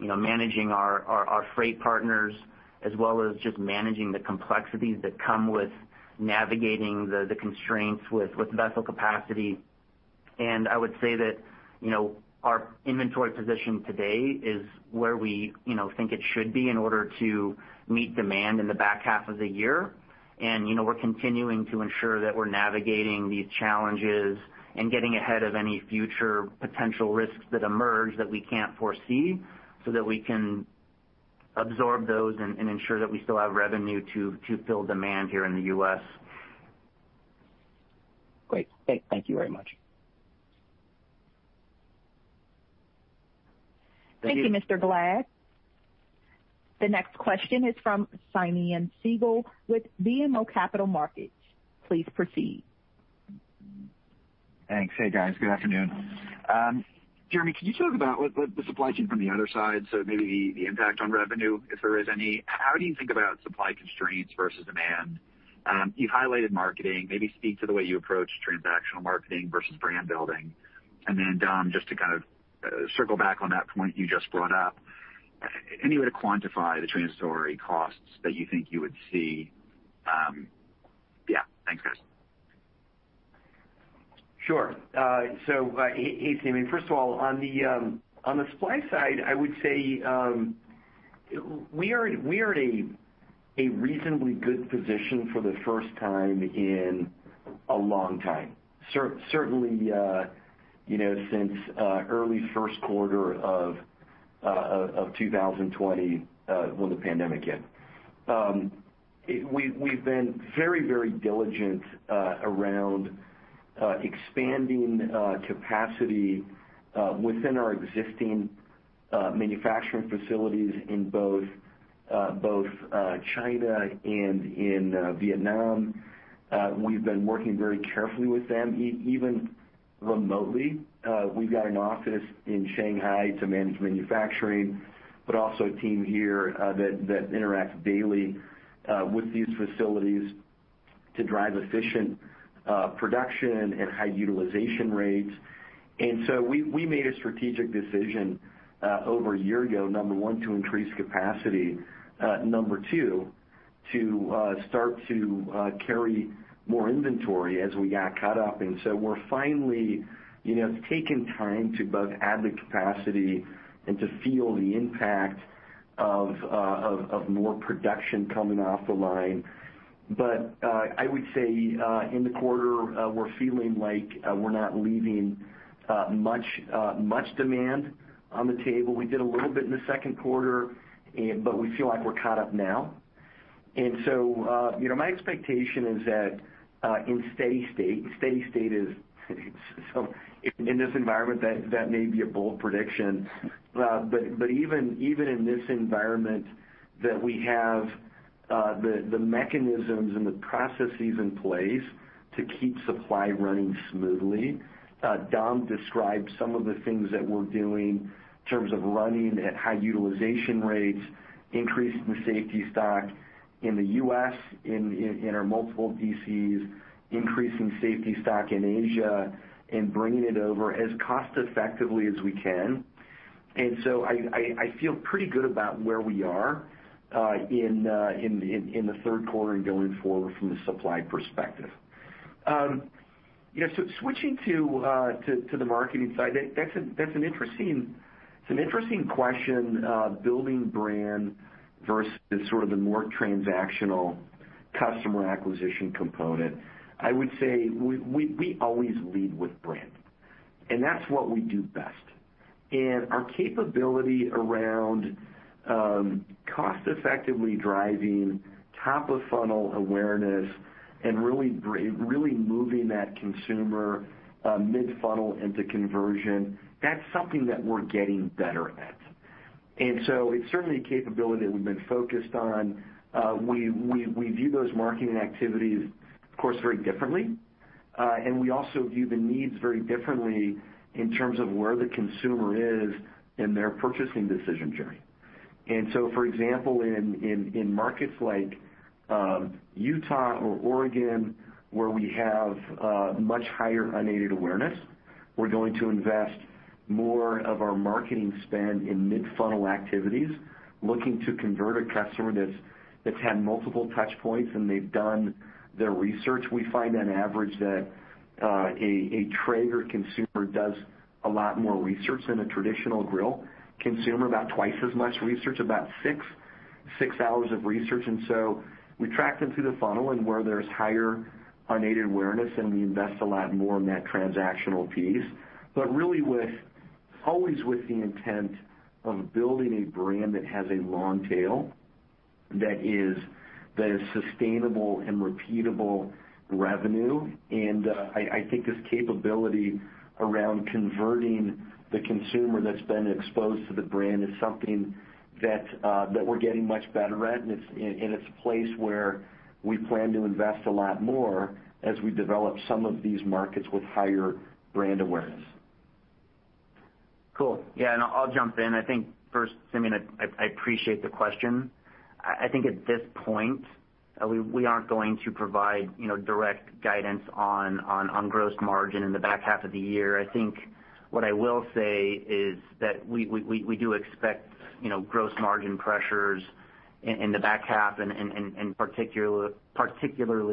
managing our freight partners, as well as just managing the complexities that come with navigating the constraints with vessel capacity. I would say that our inventory position today is where we think it should be in order to meet demand in the back half of the year. We're continuing to ensure that we're navigating these challenges and getting ahead of any future potential risks that emerge that we can't foresee so that we can absorb those and ensure that we still have revenue to build demand here in the U.S. Great. Thank you very much. Thank you, Mr. Glad. The next question is from Simeon Siegel with BMO Capital Markets. Please proceed. Thanks. Hey, guys. Good afternoon. Jeremy, can you talk about the supply chain from the other side, so maybe the impact on revenue, if there is any? How do you think about supply constraints versus demand? You've highlighted marketing. Maybe speak to the way you approach transactional marketing versus brand building. Dom, just to kind of circle back on that point you just brought up, any way to quantify the transitory costs that you think you would see? Yeah. Thanks, guys. Hey, Simeon. First of all, on the supply side, I would say, we are at a reasonably good position for the first time in a long time. Certainly, since early first quarter of 2020, when the pandemic hit. We've been very diligent around expanding capacity within our existing manufacturing facilities in both China and in Vietnam. We've been working very carefully with them, even remotely. We've got an office in Shanghai to manage manufacturing, but also a team here that interacts daily with these facilities to drive efficient production and high utilization rates. We made a strategic decision over one year ago, number one, to increase capacity, number two, to start to carry more inventory as we got caught up. We're finally taking time to both add the capacity and to feel the impact of more production coming off the line. I would say, in the quarter, we're feeling like we're not leaving much demand on the table. We did a little bit in the second quarter, but we feel like we're caught up now. My expectation is that in steady state, in this environment, that may be a bold prediction. Even in this environment that we have the mechanisms and the processes in place to keep supply running smoothly. Dom described some of the things that we're doing in terms of running at high utilization rates, increasing the safety stock in the U.S. in our multiple DCs, increasing safety stock in Asia, and bringing it over as cost effectively as we can. I feel pretty good about where we are in the third quarter and going forward from the supply perspective. Switching to the marketing side, that's an interesting question, building brand versus sort of the more transactional customer acquisition component. I would say we always lead with brand, and that's what we do best. Our capability around cost effectively driving top of funnel awareness and really moving that consumer mid-funnel into conversion, that's something that we're getting better at. It's certainly a capability that we've been focused on. We view those marketing activities, of course, very differently. We also view the needs very differently in terms of where the consumer is in their purchasing decision journey. For example, in markets like Utah or Oregon, where we have much higher unaided awareness, we're going to invest more of our marketing spend in mid-funnel activities, looking to convert a customer that's had multiple touch points and they've done their research. We find on average that a Traeger consumer does a lot more research than a traditional grill consumer, about twice as much research, about six hours of research. We track them through the funnel and where there's higher unaided awareness, and we invest a lot more in that transactional piece. Really always with the intent of building a brand that has a long tail, that is sustainable and repeatable revenue. I think this capability around converting the consumer that's been exposed to the brand is something that we're getting much better at, and it's a place where we plan to invest a lot more as we develop some of these markets with higher brand awareness. Cool. Yeah, I'll jump in. I think first, Simeon, I appreciate the question. I think at this point, we aren't going to provide direct guidance on gross margin in the back half of the year. I think what I will say is that we do expect gross margin pressures in the back half and particularly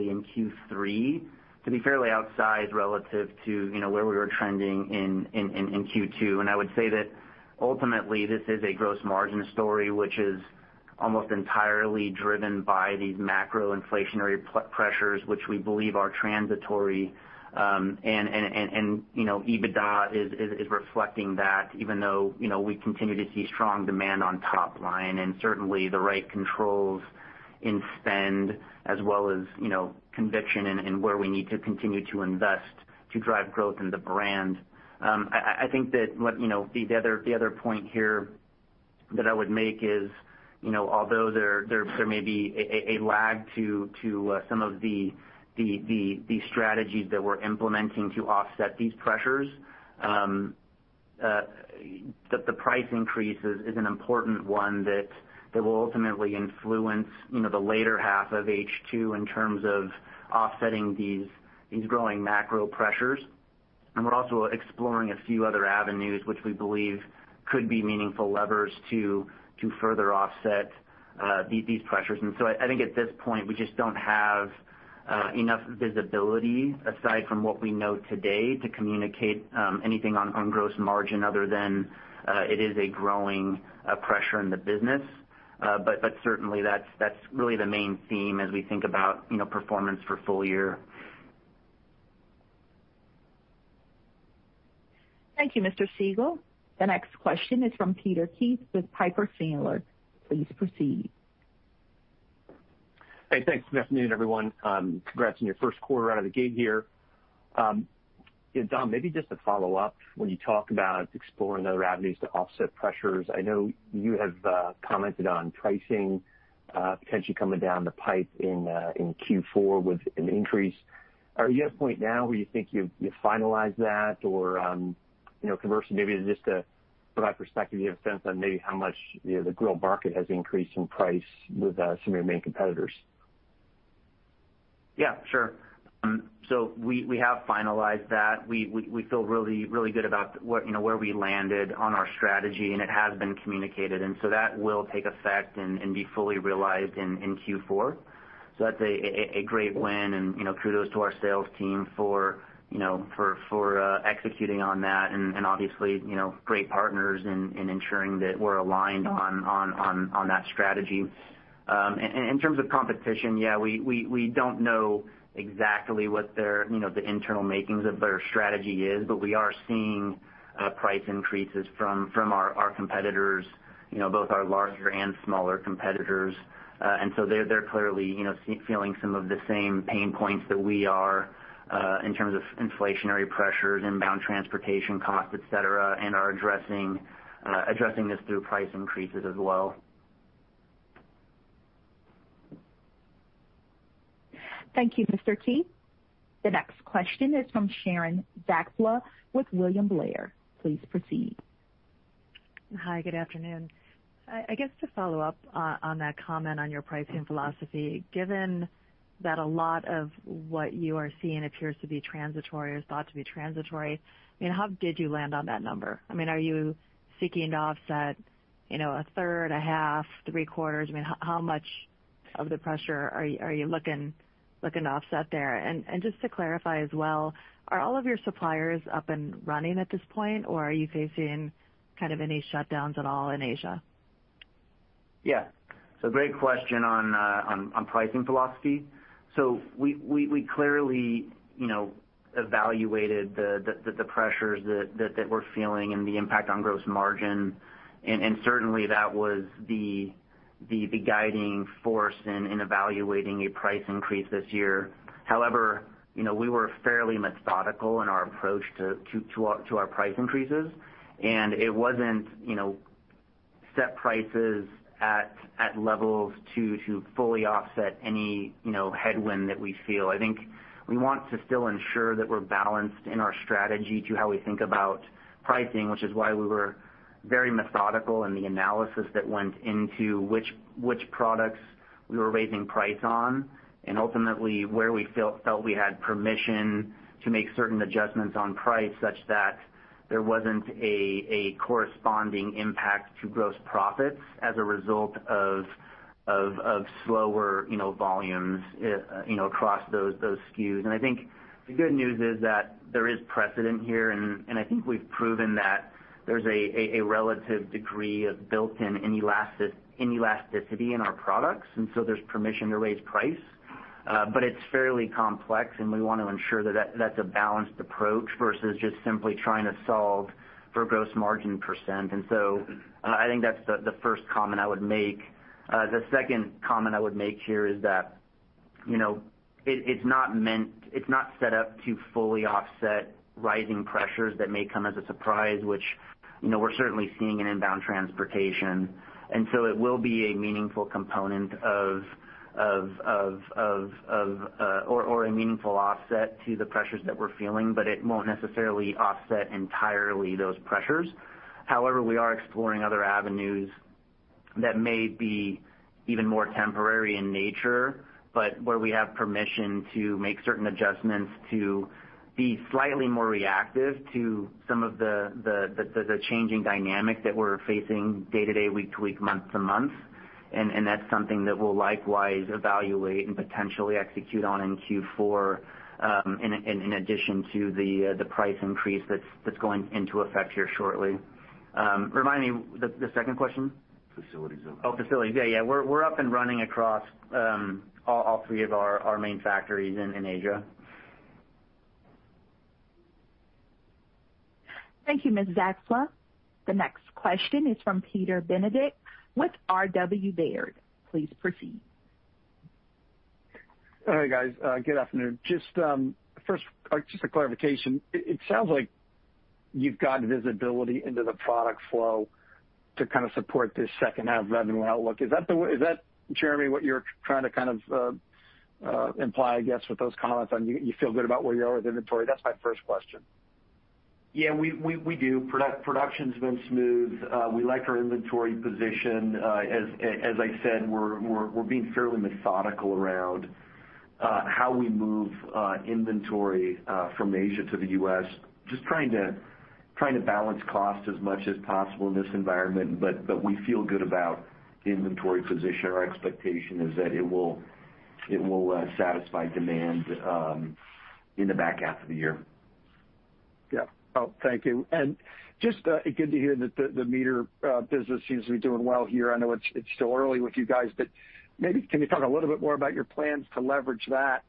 in Q3, to be fairly outsized relative to where we were trending in Q2. I would say that ultimately, this is a gross margin story, which is almost entirely driven by these macro inflationary pressures, which we believe are transitory. EBITDA is reflecting that even though we continue to see strong demand on top line, and certainly the right controls in spend as well as conviction in where we need to continue to invest to drive growth in the brand. I think that the other point here that I would make is, although there may be a lag to some of the strategies that we're implementing to offset these pressures, the price increase is an important one that will ultimately influence the later half of H2 in terms of offsetting these growing macro pressures. We're also exploring a few other avenues, which we believe could be meaningful levers to further offset these pressures. I think at this point, we just don't have enough visibility aside from what we know today to communicate anything on gross margin other than it is a growing pressure in the business. Certainly that's really the main theme as we think about performance for full year. Thank you, Mr. Siegel. The next question is from Peter Keith with Piper Sandler. Please proceed. Hey, thanks. Good afternoon, everyone. Congrats on your 1st quarter out of the gate here. Dom, maybe just to follow up, when you talk about exploring other avenues to offset pressures, I know you have commented on pricing potentially coming down the pipe in Q4 with an increase. Are you at a point now where you think you've finalized that? Conversh, maybe just to provide perspective, you have a sense on maybe how much the grill market has increased in price with some of your main competitors? Yeah, sure. We have finalized that. We feel really good about where we landed on our strategy, and it has been communicated. That will take effect and be fully realized in Q4. That's a great win and kudos to our sales team for executing on that and obviously great partners in ensuring that we're aligned on that strategy. In terms of competition, yeah, we don't know exactly what the internal makings of their strategy is. We are seeing price increases from our competitors, both our larger and smaller competitors. They're clearly feeling some of the same pain points that we are in terms of inflationary pressures, inbound transportation costs, et cetera, and are addressing this through price increases as well. Thank you, Mr. Keith. The next question is from Sharon Zackfia with William Blair. Please proceed. Hi, good afternoon. I guess to follow up on that comment on your pricing philosophy, given that a lot of what you are seeing appears to be transitory or is thought to be transitory, how did you land on that number? Are you seeking to offset a third, a half, three quarters? How much of the pressure are you looking to offset there? Just to clarify as well, are all of your suppliers up and running at this point, or are you facing any shutdowns at all in Asia? Great question on pricing philosophy. We clearly evaluated the pressures that we're feeling and the impact on gross margin, certainly that was the guiding force in evaluating a price increase this year. However, we were fairly methodical in our approach to our price increases, it wasn't set prices at levels to fully offset any headwind that we feel. I think we want to still ensure that we're balanced in our strategy to how we think about pricing, which is why we were very methodical in the analysis that went into which products we were raising price on. Ultimately, where we felt we had permission to make certain adjustments on price such that there wasn't a corresponding impact to gross profits as a result of slower volumes across those SKUs. I think the good news is that there is precedent here, and I think we've proven that there's a relative degree of built-in inelasticity in our products, and so there's permission to raise price. It's fairly complex, and we want to ensure that that's a balanced approach versus just simply trying to solve for gross margin percent. I think that's the first comment I would make. The second comment I would make here is that it's not set up to fully offset rising pressures that may come as a surprise, which we're certainly seeing an inbound transportation. It will be a meaningful component or a meaningful offset to the pressures that we're feeling, but it won't necessarily offset entirely those pressures. However, we are exploring other avenues that may be even more temporary in nature, but where we have permission to make certain adjustments to be slightly more reactive to some of the changing dynamic that we're facing day to day, week to week, month to month. That's something that we'll likewise evaluate and potentially execute on in Q4, in addition to the price increase that's going into effect here shortly. Remind me the second question. Facilities up. Oh, facilities. Yeah. We're up and running across all three of our main factories in Asia. Thank you, Ms. Zackfia. The next question is from Peter Benedict with RW Baird. Please proceed. Hi, guys. Good afternoon. First, just a clarification. It sounds like you've got visibility into the product flow to kind of support this second half revenue outlook. Is that, Jeremy, what you're trying to kind of imply, I guess, with those comments on you feel good about where you are with inventory? That's my first question. Yeah, we do. Production's been smooth. We like our inventory position. As I said, we're being fairly methodical around how we move inventory from Asia to the U.S., just trying to balance cost as much as possible in this environment. We feel good about the inventory position. Our expectation is that it will satisfy demand in the back half of the year. Yeah. Thank you. Just good to hear that the MEATER business seems to be doing well here. I know it's still early with you guys, but maybe, can you talk a little bit more about your plans to leverage that?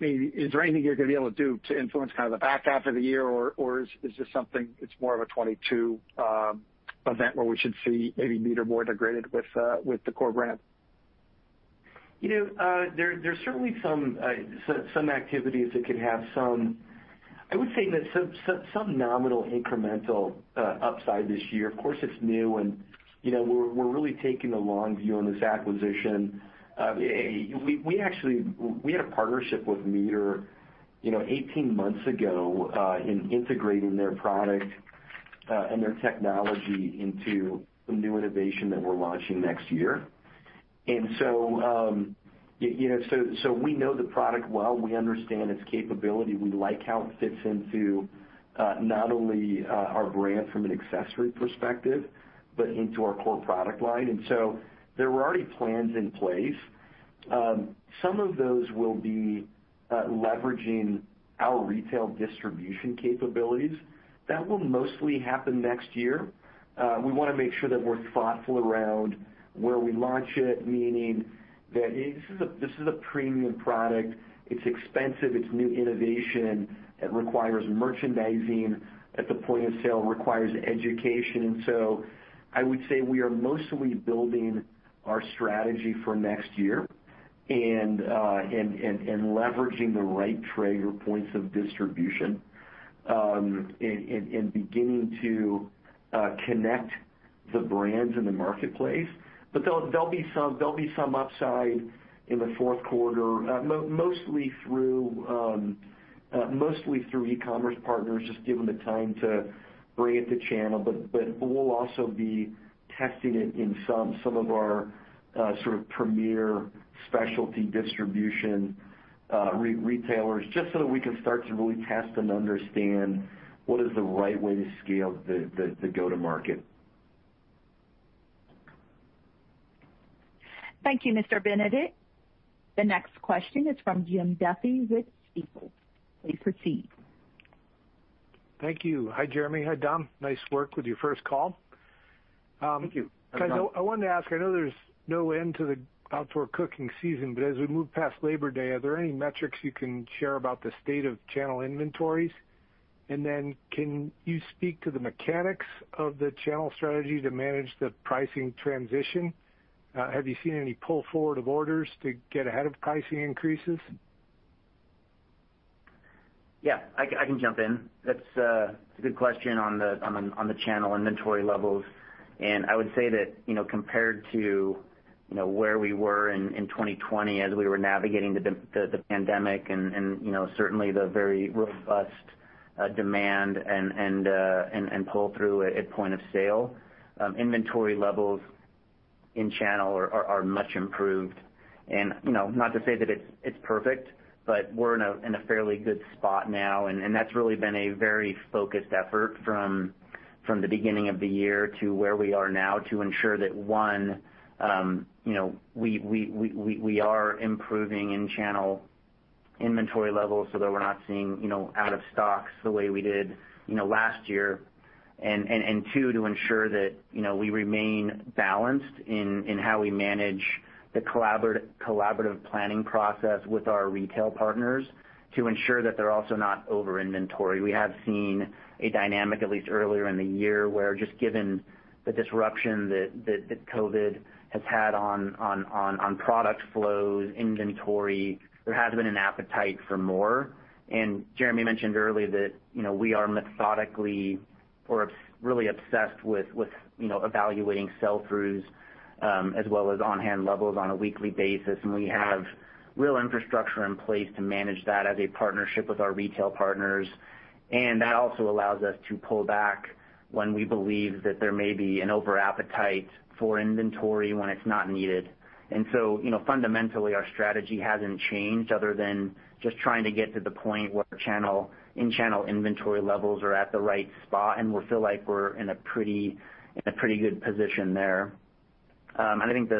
Is there anything you're going to be able to do to influence kind of the back half of the year, or is this something it's more of a 2022 event where we should see maybe MEATER more integrated with the core brand? There's certainly some activities that could have some, I would say, nominal incremental upside this year. Of course, it's new, and we're really taking the long view on this acquisition. We had a partnership with MEATER 18 months ago in integrating their product and their technology into a new innovation that we're launching next year. We know the product well. We understand its capability. We like how it fits into not only our brand from an accessory perspective, but into our core product line. There were already plans in place. Some of those will be leveraging our retail distribution capabilities. That will mostly happen next year. We want to make sure that we're thoughtful around where we launch it, meaning that this is a premium product. It's expensive. It's new innovation. It requires merchandising at the point of sale. It requires education. I would say we are mostly building our strategy for next year and leveraging the right Traeger points of distribution, and beginning to connect the brands in the marketplace. There'll be some upside in the fourth quarter, mostly through e-commerce partners, just given the time to bring it to channel. We'll also be testing it in some of our sort of premier specialty distribution retailers, just so that we can start to really test and understand what is the right way to scale the go-to market. Thank you, Mr. Benedict. The next question is from Jim Duffy with Stifel. Please proceed. Thank you. Hi, Jeremy. Hi, Dom. Nice work with your first call. Thank you. I wanted to ask, I know there's no end to the outdoor cooking season, but as we move past Labor Day, are there any metrics you can share about the state of channel inventories? Can you speak to the mechanics of the channel strategy to manage the pricing transition? Have you seen any pull forward of orders to get ahead of pricing increases? Yeah, I can jump in. That's a good question on the channel inventory levels. I would say that compared to where we were in 2020 as we were navigating the pandemic and certainly the very robust demand and pull through at point of sale, inventory levels in channel are much improved. Not to say that it's perfect, but we're in a fairly good spot now, and that's really been a very focused effort from the beginning of the year to where we are now to ensure that, one, we are improving in channel inventory levels so that we're not seeing out of stocks the way we did last year, and two, to ensure that we remain balanced in how we manage the collaborative planning process with our retail partners to ensure that they're also not over inventory. We have seen a dynamic, at least earlier in the year, where just given the disruption that COVID has had on product flows, inventory, there has been an appetite for more. Jeremy mentioned earlier that we're really obsessed with evaluating sell-throughs, as well as on-hand levels on a weekly basis, and we have real infrastructure in place to manage that as a partnership with our retail partners. That also allows us to pull back when we believe that there may be an over-appetite for inventory when it's not needed. Fundamentally, our strategy hasn't changed other than just trying to get to the point where in-channel inventory levels are at the right spot, and we feel like we're in a pretty good position there. I think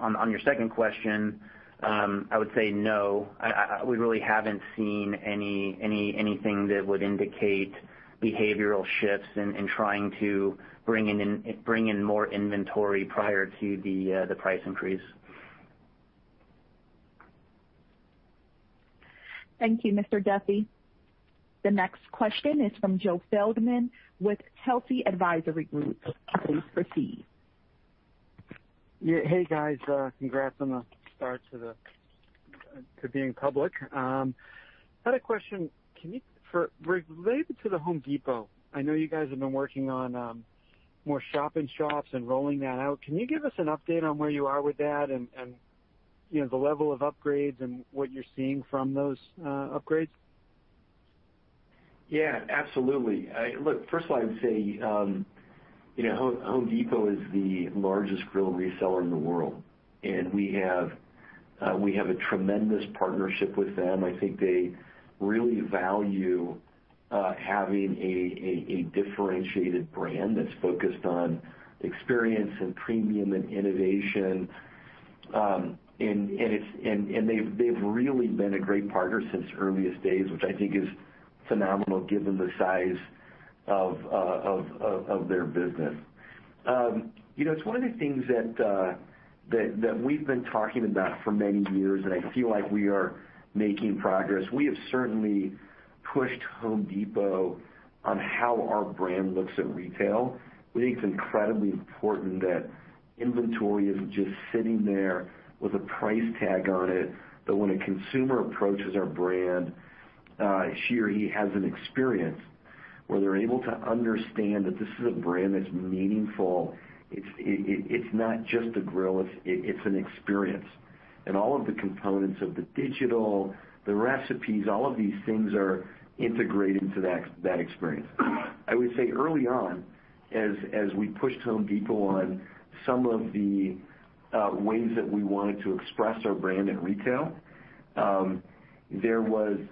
on your second question, I would say no. We really haven't seen anything that would indicate behavioral shifts in trying to bring in more inventory prior to the price increase. Thank you, Mr. Duffy. The next question is from Joe Feldman with Telsey Advisory Group. Please proceed. Hey, guys. Congrats on the start to being public. Had a question related to The Home Depot. I know you guys have been working on more shop-in-shops and rolling that out. Can you give us an update on where you are with that and the level of upgrades and what you're seeing from those upgrades? Yeah, absolutely. Look, first of all, I would say, Home Depot is the largest grill reseller in the world, and we have a tremendous partnership with them. I think they really value having a differentiated brand that's focused on experience and premium and innovation. They've really been a great partner since earliest days, which I think is phenomenal given the size of their business. It's one of the things that we've been talking about for many years, and I feel like we are making progress. We have certainly pushed Home Depot on how our brand looks at retail. We think it's incredibly important that inventory isn't just sitting there with a price tag on it, but when a consumer approaches our brand, she or he has an experience where they're able to understand that this is a brand that's meaningful. It's not just a grill, it's an experience. All of the components of the digital, the recipes, all of these things are integrated into that experience. I would say early on, as we pushed The Home Depot on some of the ways that we wanted to express our brand at retail, there wasn't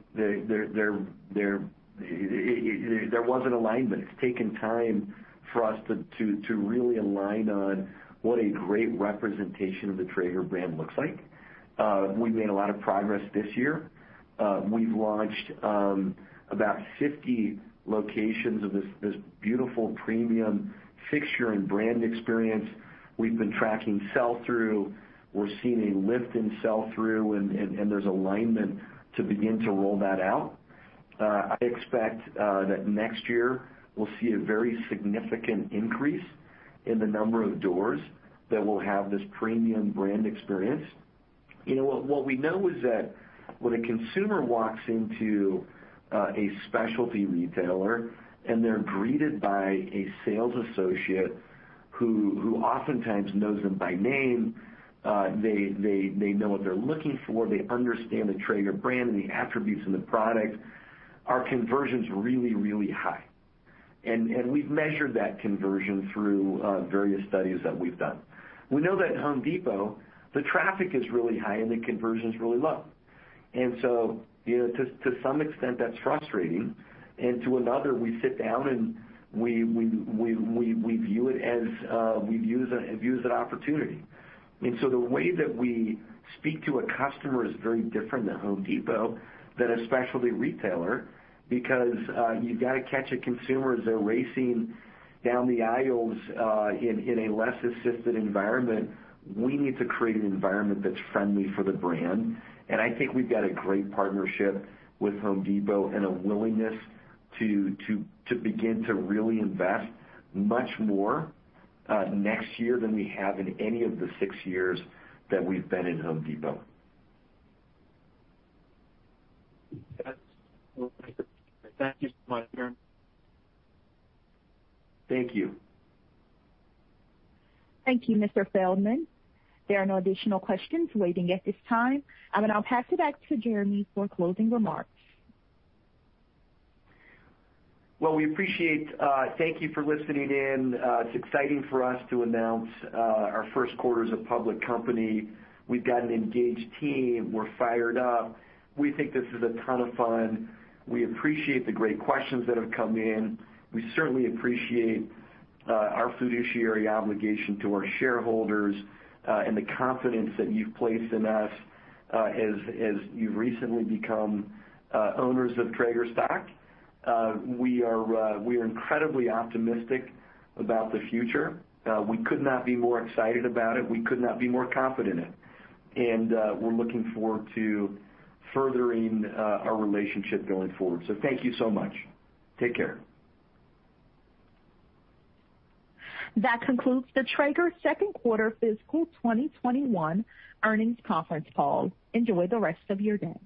alignment. It's taken time for us to really align on what a great representation of the Traeger brand looks like. We've made a lot of progress this year. We've launched about 50 locations of this beautiful premium fixture and brand experience. We've been tracking sell-through. We're seeing a lift in sell-through, and there's alignment to begin to roll that out. I expect that next year, we'll see a very significant increase in the number of doors that will have this premium brand experience. What we know is that when a consumer walks into a specialty retailer and they're greeted by a sales associate who oftentimes knows them by name, they know what they're looking for, they understand the Traeger brand and the attributes and the product, our conversion's really, really high. We've measured that conversion through various studies that we've done. We know that at Home Depot, the traffic is really high, and the conversion's really low. To some extent, that's frustrating. To another, we sit down, and we view it as an opportunity. The way that we speak to a customer is very different at Home Depot than a specialty retailer, because you got to catch a consumer as they're racing down the aisles, in a less assisted environment. We need to create an environment that's friendly for the brand, and I think we've got a great partnership with Home Depot and a willingness to begin to really invest much more next year than we have in any of the six years that we've been in Home Depot. Thank you. Thank you, Mr. Feldman. There are no additional questions waiting at this time, and I'll pass it back to Jeremy for closing remarks. Well, Thank you for listening in. It's exciting for us to announce our first quarter as a public company. We've got an engaged team. We're fired up. We think this is a ton of fun. We appreciate the great questions that have come in. We certainly appreciate our fiduciary obligation to our shareholders, and the confidence that you've placed in us as you've recently become owners of Traeger stock. We are incredibly optimistic about the future. We could not be more excited about it. We could not be more confident, and we're looking forward to furthering our relationship going forward. Thank you so much. Take care. That concludes the Traeger second quarter fiscal 2021 earnings conference call. Enjoy the rest of your day.